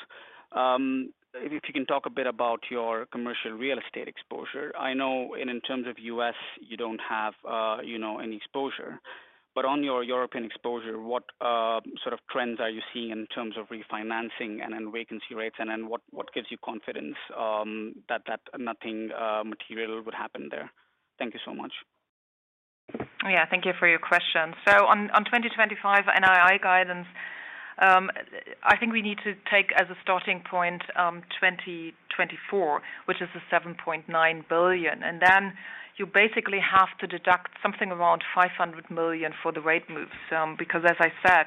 if you can talk a bit about your commercial real estate exposure. I know in terms of U.S., you don't have any exposure. But on your European exposure, what sort of trends are you seeing in terms of refinancing and vacancy rates? And then what gives you confidence that nothing material would happen there? Thank you so much. Yeah. Thank you for your question. So on 2025 NII guidance, I think we need to take as a starting point 2024, which is the 7.9 billion. And then you basically have to deduct something around 500 million for the rate moves because, as I said,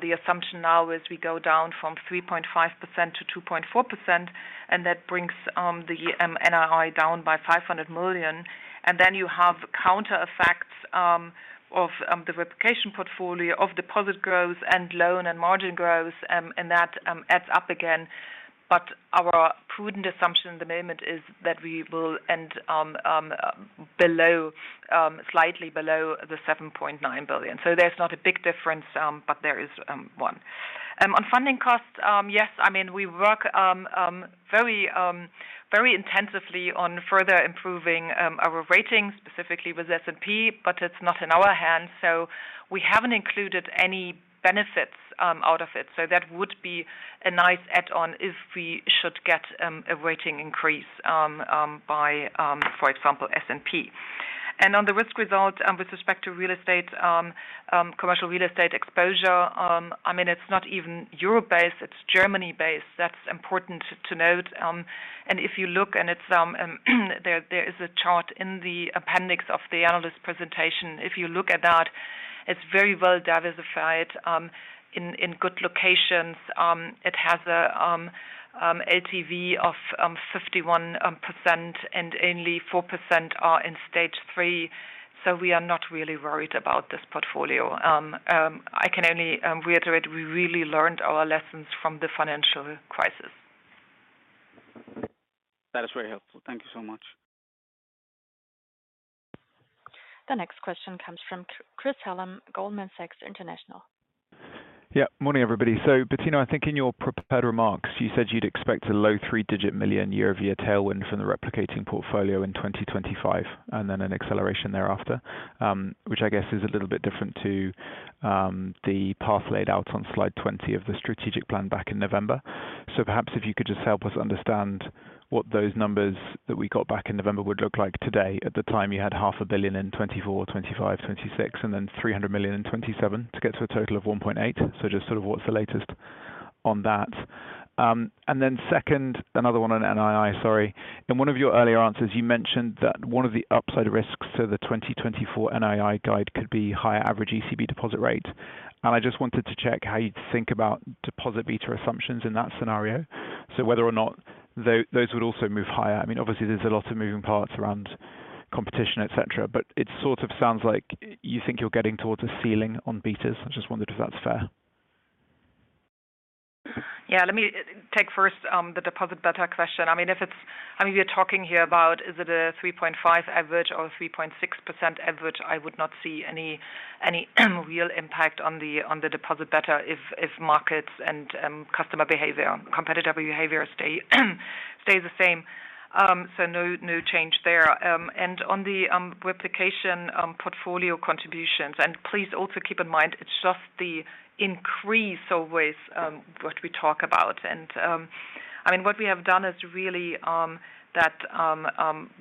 the assumption now is we go down from 3.5%-2.4%. And that brings the NII down by 500 million. And then you have counter effects of the replication portfolio, of deposit growth, and loan and margin growth. And that adds up again. But our prudent assumption in the moment is that we will end slightly below the 7.9 billion. So there's not a big difference. But there is one. On funding costs, yes, I mean, we work very intensively on further improving our rating, specifically with S&P. But it's not in our hands. So we haven't included any benefits out of it. That would be a nice add-on if we should get a rating increase by, for example, S&P. On the risk result with respect to commercial real estate exposure, I mean, it's not even Europe-based. It's Germany-based. That's important to note. If you look and there is a chart in the appendix of the analyst presentation. If you look at that, it's very well diversified in good locations. It has an LTV of 51%. And only 4% are in Stage 3. So we are not really worried about this portfolio. I can only reiterate, we really learned our lessons from the financial crisis. That is very helpful. Thank you so much. The next question comes from Chris Hallam, Goldman Sachs International. Yeah. Morning, everybody. So Bettina, I think in your prepared remarks, you said you'd expect a low three-digit million year-over-year tailwind from the replication portfolio in 2025 and then an acceleration thereafter, which I guess is a little bit different to the path laid out on slide 20 of the strategic plan back in November. So perhaps if you could just help us understand what those numbers that we got back in November would look like today. At the time you had 500 million in 2024, 2025, 2026, and then 300 million in 2027 to get to a total of 1.8 billion. So just sort of what's the latest on that? And then second, another one on NII, sorry. In one of your earlier answers, you mentioned that one of the upside risks to the 2024 NII guide could be higher average ECB deposit rate. And I just wanted to check how you'd think about deposit beta assumptions in that scenario, so whether or not those would also move higher. I mean, obviously, there's a lot of moving parts around competition, et cetera. But it sort of sounds like you think you're getting towards a ceiling on betas. I just wondered if that's fair? Yeah. Let me take first the deposit beta question. I mean, if it's I mean, we are talking here about is it a 3.5% average or a 3.6% average? I would not see any real impact on the deposit beta if markets and customer behavior, competitor behavior, stays the same. So no change there. And on the replication portfolio contributions, and please also keep in mind it's just the increase always what we talk about. And I mean, what we have done is really that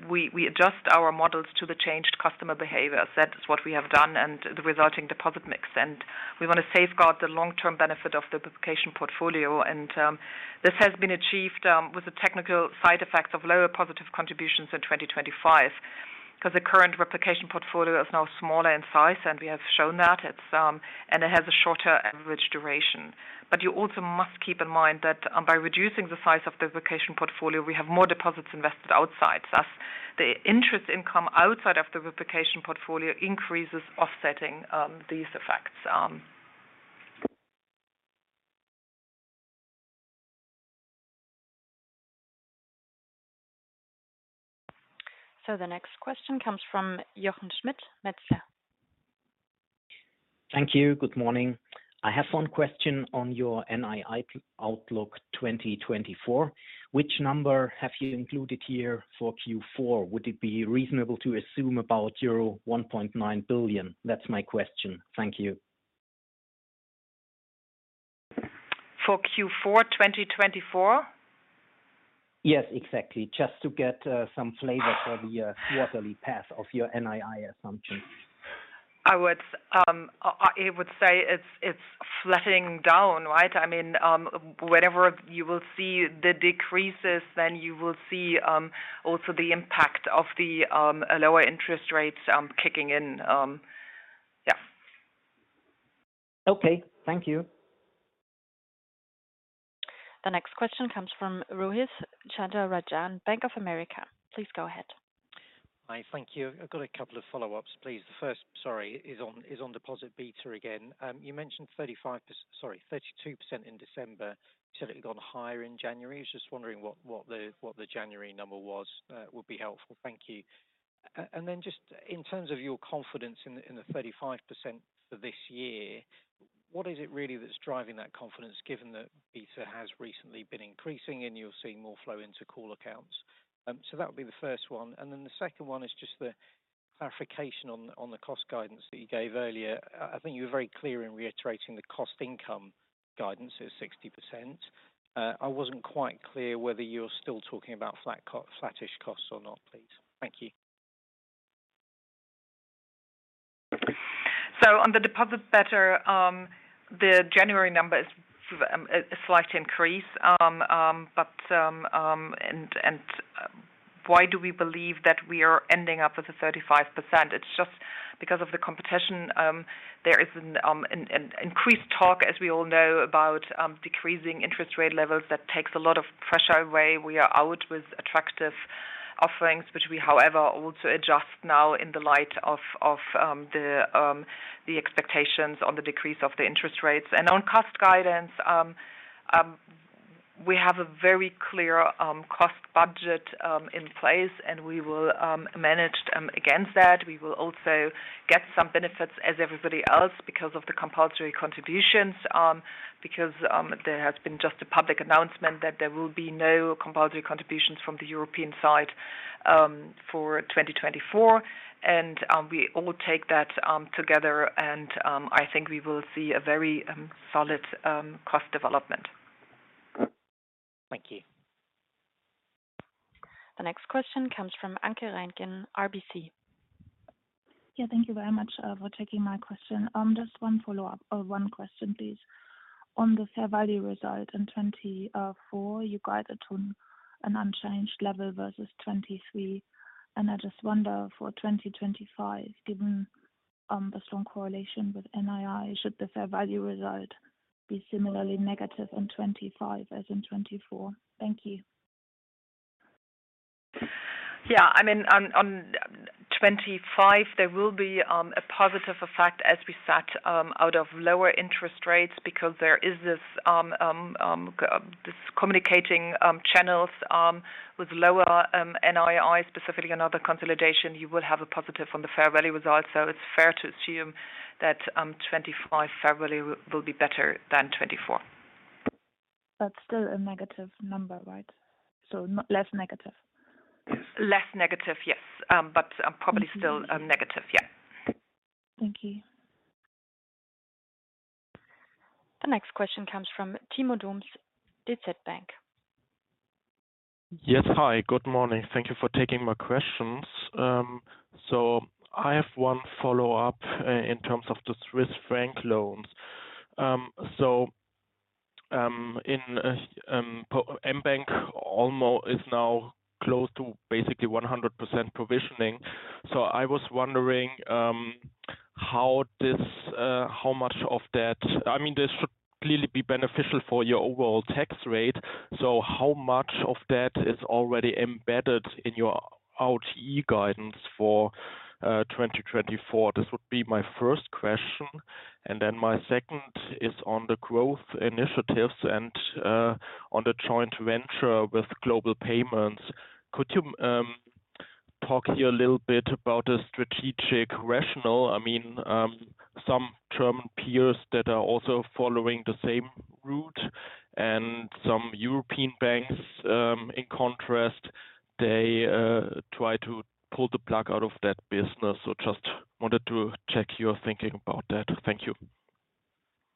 we adjust our models to the changed customer behaviors. That is what we have done and the resulting deposit mix. And we want to safeguard the long-term benefit of the replication portfolio. And this has been achieved with the technical side effects of lower positive contributions in 2025 because the current replication portfolio is now smaller in size. And we have shown that. It has a shorter average duration. But you also must keep in mind that by reducing the size of the replication portfolio, we have more deposits invested outside. Thus, the interest income outside of the replication portfolio increases, offsetting these effects. The next question comes from Jochen Schmitt, Metzler. Thank you. Good morning. I have one question on your NII outlook 2024. Which number have you included here for Q4? Would it be reasonable to assume about euro 1.9 billion? That's my question. Thank you. For Q4 2024? Yes, exactly. Just to get some flavor for the quarterly path of your NII assumptions. I would say it's flattening down, right? I mean, whenever you will see the decreases, then you will see also the impact of the lower interest rates kicking in. Yeah. OK. Thank you. The next question comes from Rohith Chandra-Rajan, Bank of America. Please go ahead. Hi. Thank you. I've got a couple of follow-ups, please. The first, sorry, is on deposit beta again. You mentioned 35% sorry, 32% in December. You said it had gone higher in January. I was just wondering what the January number was. That would be helpful. Thank you. And then just in terms of your confidence in the 35% for this year, what is it really that's driving that confidence given that beta has recently been increasing and you're seeing more flow into call accounts? So that would be the first one. And then the second one is just the clarification on the cost guidance that you gave earlier. I think you were very clear in reiterating the cost income guidance at 60%. I wasn't quite clear whether you're still talking about flattish costs or not, please. Thank you. So on the deposit beta, the January number is a slight increase. Why do we believe that we are ending up with the 35%? It's just because of the competition. There is an increased talk, as we all know, about decreasing interest rate levels. That takes a lot of pressure away. We are out with attractive offerings, which we, however, also adjust now in the light of the expectations on the decrease of the interest rates. On cost guidance, we have a very clear cost budget in place. We will manage against that. We will also get some benefits as everybody else because of the compulsory contributions because there has been just a public announcement that there will be no compulsory contributions from the European side for 2024. We all take that together. I think we will see a very solid cost development. Thank you. The next question comes from Anke Reingen, RBC. Yeah. Thank you very much for taking my question. Just one follow-up or one question, please. On the fair value result in 2024, you guided to an unchanged level versus 2023. And I just wonder, for 2025, given the strong correlation with NII, should the fair value result be similarly negative in 2025 as in 2024? Thank you. Yeah. I mean, on 2025, there will be a positive effect as we set out of lower interest rates because there is this transmission channels with lower NII, specifically another consolidation. You will have a positive on the fair value result. So it's fair to assume that 2025 fair value will be better than 2024. That's still a negative number, right? So less negative? Less negative, yes. But probably still negative. Yeah. Thank you. The next question comes from Timo Dums, DZ Bank. Yes. Hi. Good morning. Thank you for taking my questions. So I have one follow-up in terms of the Swiss franc loans. So mBank is now close to basically 100% provisioning. So I was wondering how much of that I mean, this should clearly be beneficial for your overall tax rate. So how much of that is already embedded in your ROTE guidance for 2024? This would be my first question. And then my second is on the growth initiatives and on the joint venture with Global Payments. Could you talk here a little bit about the strategic rationale? I mean, some German peers that are also following the same route and some European banks, in contrast, they try to pull the plug out of that business. So just wanted to check your thinking about that. Thank you.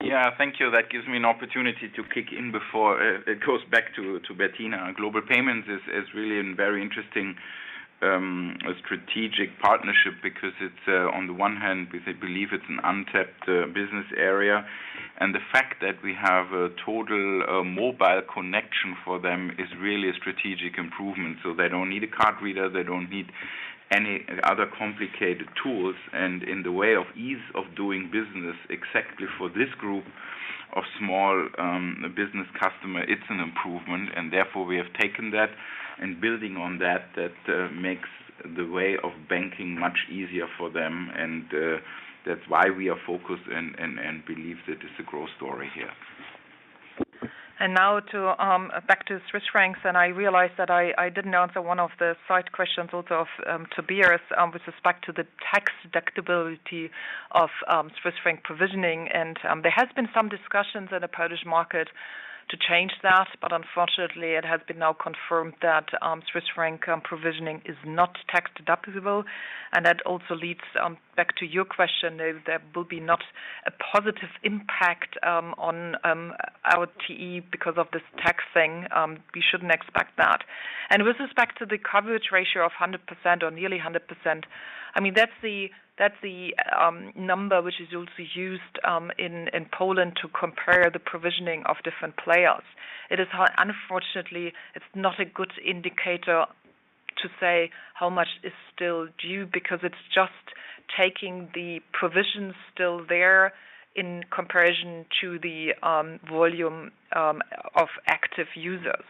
Yeah. Thank you. That gives me an opportunity to kick in before it goes back to Bettina. Global Payments is really a very interesting strategic partnership because on the one hand, I believe it's an untapped business area. And the fact that we have a total mobile connection for them is really a strategic improvement. So they don't need a card reader. They don't need any other complicated tools. And in the way of ease of doing business exactly for this group of small business customers, it's an improvement. And therefore, we have taken that. And building on that, that makes the way of banking much easier for them. And that's why we are focused and believe that it's a growth story here. And now back to Swiss francs. And I realized that I didn't answer one of the side questions also of Tobias with respect to the tax deductibility of Swiss franc provisioning. And there has been some discussions in the Polish market to change that. But unfortunately, it has been now confirmed that Swiss franc provisioning is not tax deductible. And that also leads back to your question. There will be not a positive impact on our TE because of this tax thing. We shouldn't expect that. And with respect to the coverage ratio of 100% or nearly 100%, I mean, that's the number which is also used in Poland to compare the provisioning of different players. Unfortunately, it's not a good indicator to say how much is still due because it's just taking the provisions still there in comparison to the volume of active users.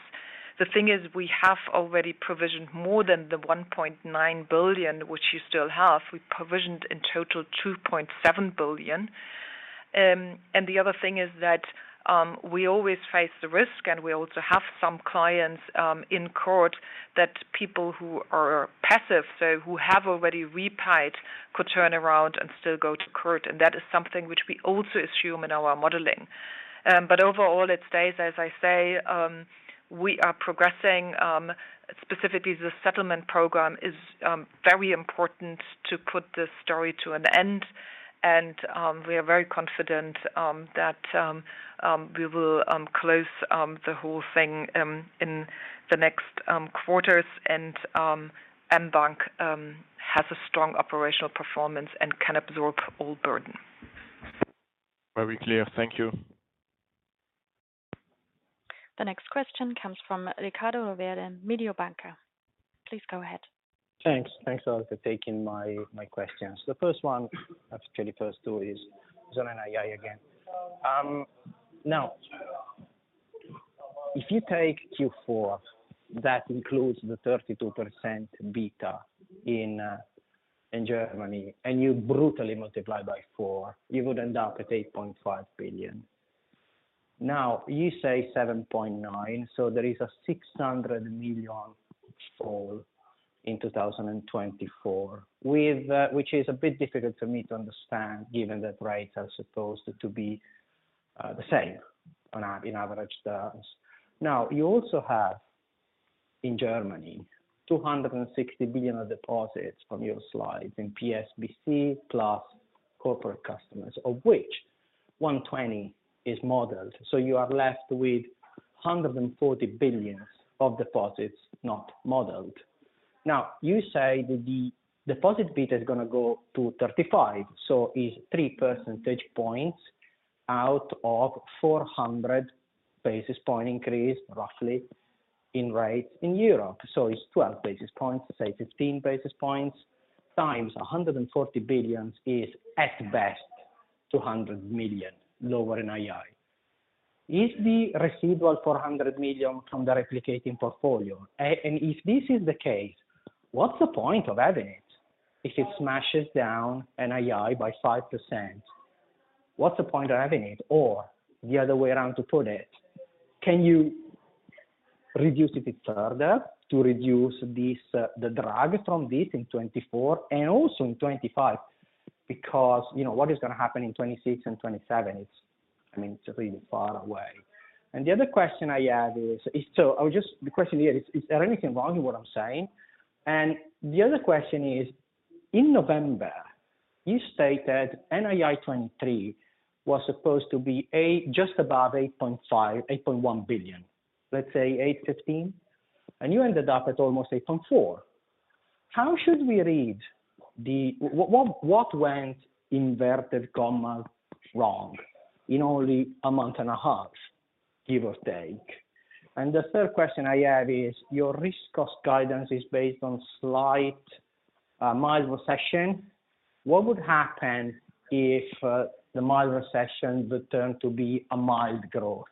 The thing is, we have already provisioned more than the 1.9 billion, which you still have. We provisioned in total 2.7 billion. The other thing is that we always face the risk. We also have some clients in court that people who are passive, so who have already repaid, could turn around and still go to court. That is something which we also assume in our modeling. But overall, it stays, as I say, we are progressing. Specifically, the settlement program is very important to put this story to an end. We are very confident that we will close the whole thing in the next quarters. mBank has a strong operational performance and can absorb all burden. Very clear. Thank you. The next question comes from Riccardo Rovere, Mediobanca. Please go ahead. Thanks. Thanks all for taking my questions. The first one, actually the first two, is it's on NII again. Now, if you take Q4, that includes the 32% beta in Germany, and you brutally multiply by 4, you would end up at 8.5 billion. Now, you say 7.9. So there is a 600 million fall in 2024, which is a bit difficult for me to understand given that rates are supposed to be the same in average terms. Now, you also have in Germany 260 billion of deposits from your slides in PSBC plus corporate customers, of which 120 billion is modeled. So you are left with 140 billion of deposits not modeled. Now, you say that the deposit beta is going to go to 35%. So it's 3 percentage points out of 400 basis point increase, roughly, in rates in Europe. So it's 12 basis points, say 15 basis points times 140 billion is, at best, 200 million lower NII. Is the residual 400 million from the replicating portfolio? And if this is the case, what's the point of having it if it smashes down NII by 5%? What's the point of having it? Or the other way around to put it, can you reduce it further to reduce the drag from this in 2024 and also in 2025 because what is going to happen in 2026 and 2027? I mean, it's really far away. And the other question I have is so the question here is, is there anything wrong in what I'm saying? And the other question is, in November, you stated NII 2023 was supposed to be just above 8.1 billion, let's say 8.15 billion. And you ended up at almost 8.4 billion. How should we read the "what went wrong" in only a month and a half, give or take? And the third question I have is, your risk cost guidance is based on slight mild recession. What would happen if the mild recession would turn to be a mild growth?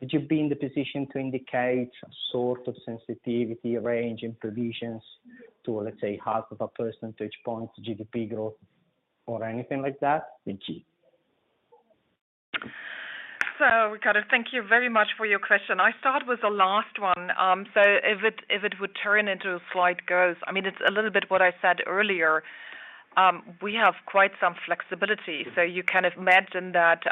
Would you be in the position to indicate a sort of sensitivity range in provisions to, let's say, half of a percentage point GDP growth or anything like that? So Ricardo, thank you very much for your question. I start with the last one. So if it would turn into a slight growth, I mean, it's a little bit what I said earlier. We have quite some flexibility. So you can imagine that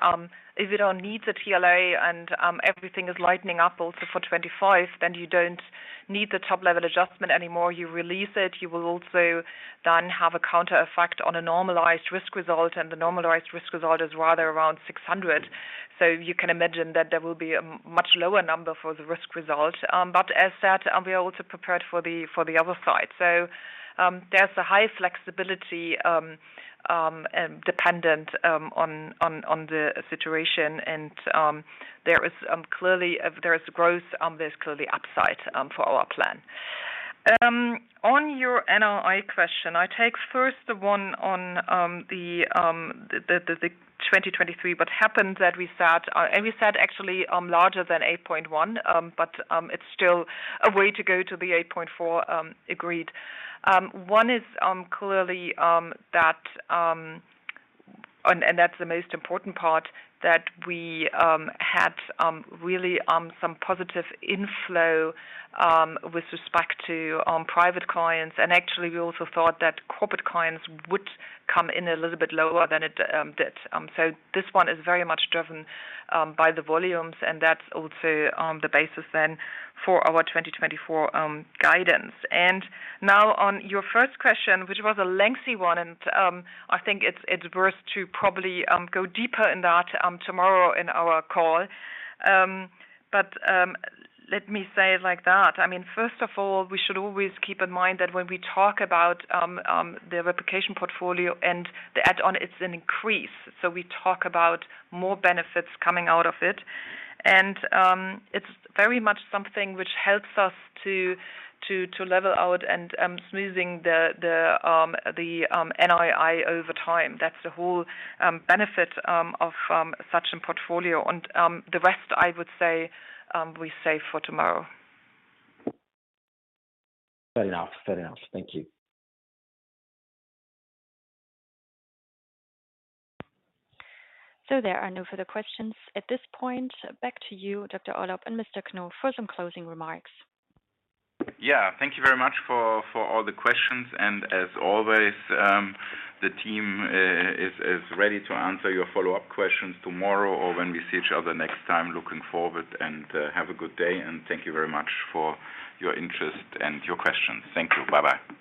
if it all needs a TLA and everything is lightening up also for 2025, then you don't need the top-level adjustment anymore. You release it. You will also then have a counter effect on a normalized risk result. And the normalized risk result is rather around 600. So you can imagine that there will be a much lower number for the risk result. But as said, we are also prepared for the other side. So there's a high flexibility dependent on the situation. And there is clearly growth. There's clearly upside for our plan. On your NII question, I take first the one on the 2023. What happened that we sat at, actually, larger than 8.1. But it's still a way to go to the 8.4, agreed. One is clearly that and that's the most important part, that we had really some positive inflow with respect to private clients. And actually, we also thought that corporate clients would come in a little bit lower than it did. So this one is very much driven by the volumes. And that's also the basis then for our 2024 guidance. And now, on your first question, which was a lengthy one, and I think it's worth to probably go deeper in that tomorrow in our call. But let me say it like that. I mean, first of all, we should always keep in mind that when we talk about the replication portfolio and the add-on, it's an increase. We talk about more benefits coming out of it. It's very much something which helps us to level out and smoothing the NII over time. That's the whole benefit of such a portfolio. The rest, I would say, we save for tomorrow. Fair enough. Fair enough. Thank you. There are no further questions at this point. Back to you, Dr. Orlopp and Mr. Knof, for some closing remarks. Yeah. Thank you very much for all the questions. As always, the team is ready to answer your follow-up questions tomorrow or when we see each other next time, looking forward. Have a good day. Thank you very much for your interest and your questions. Thank you. Bye-bye.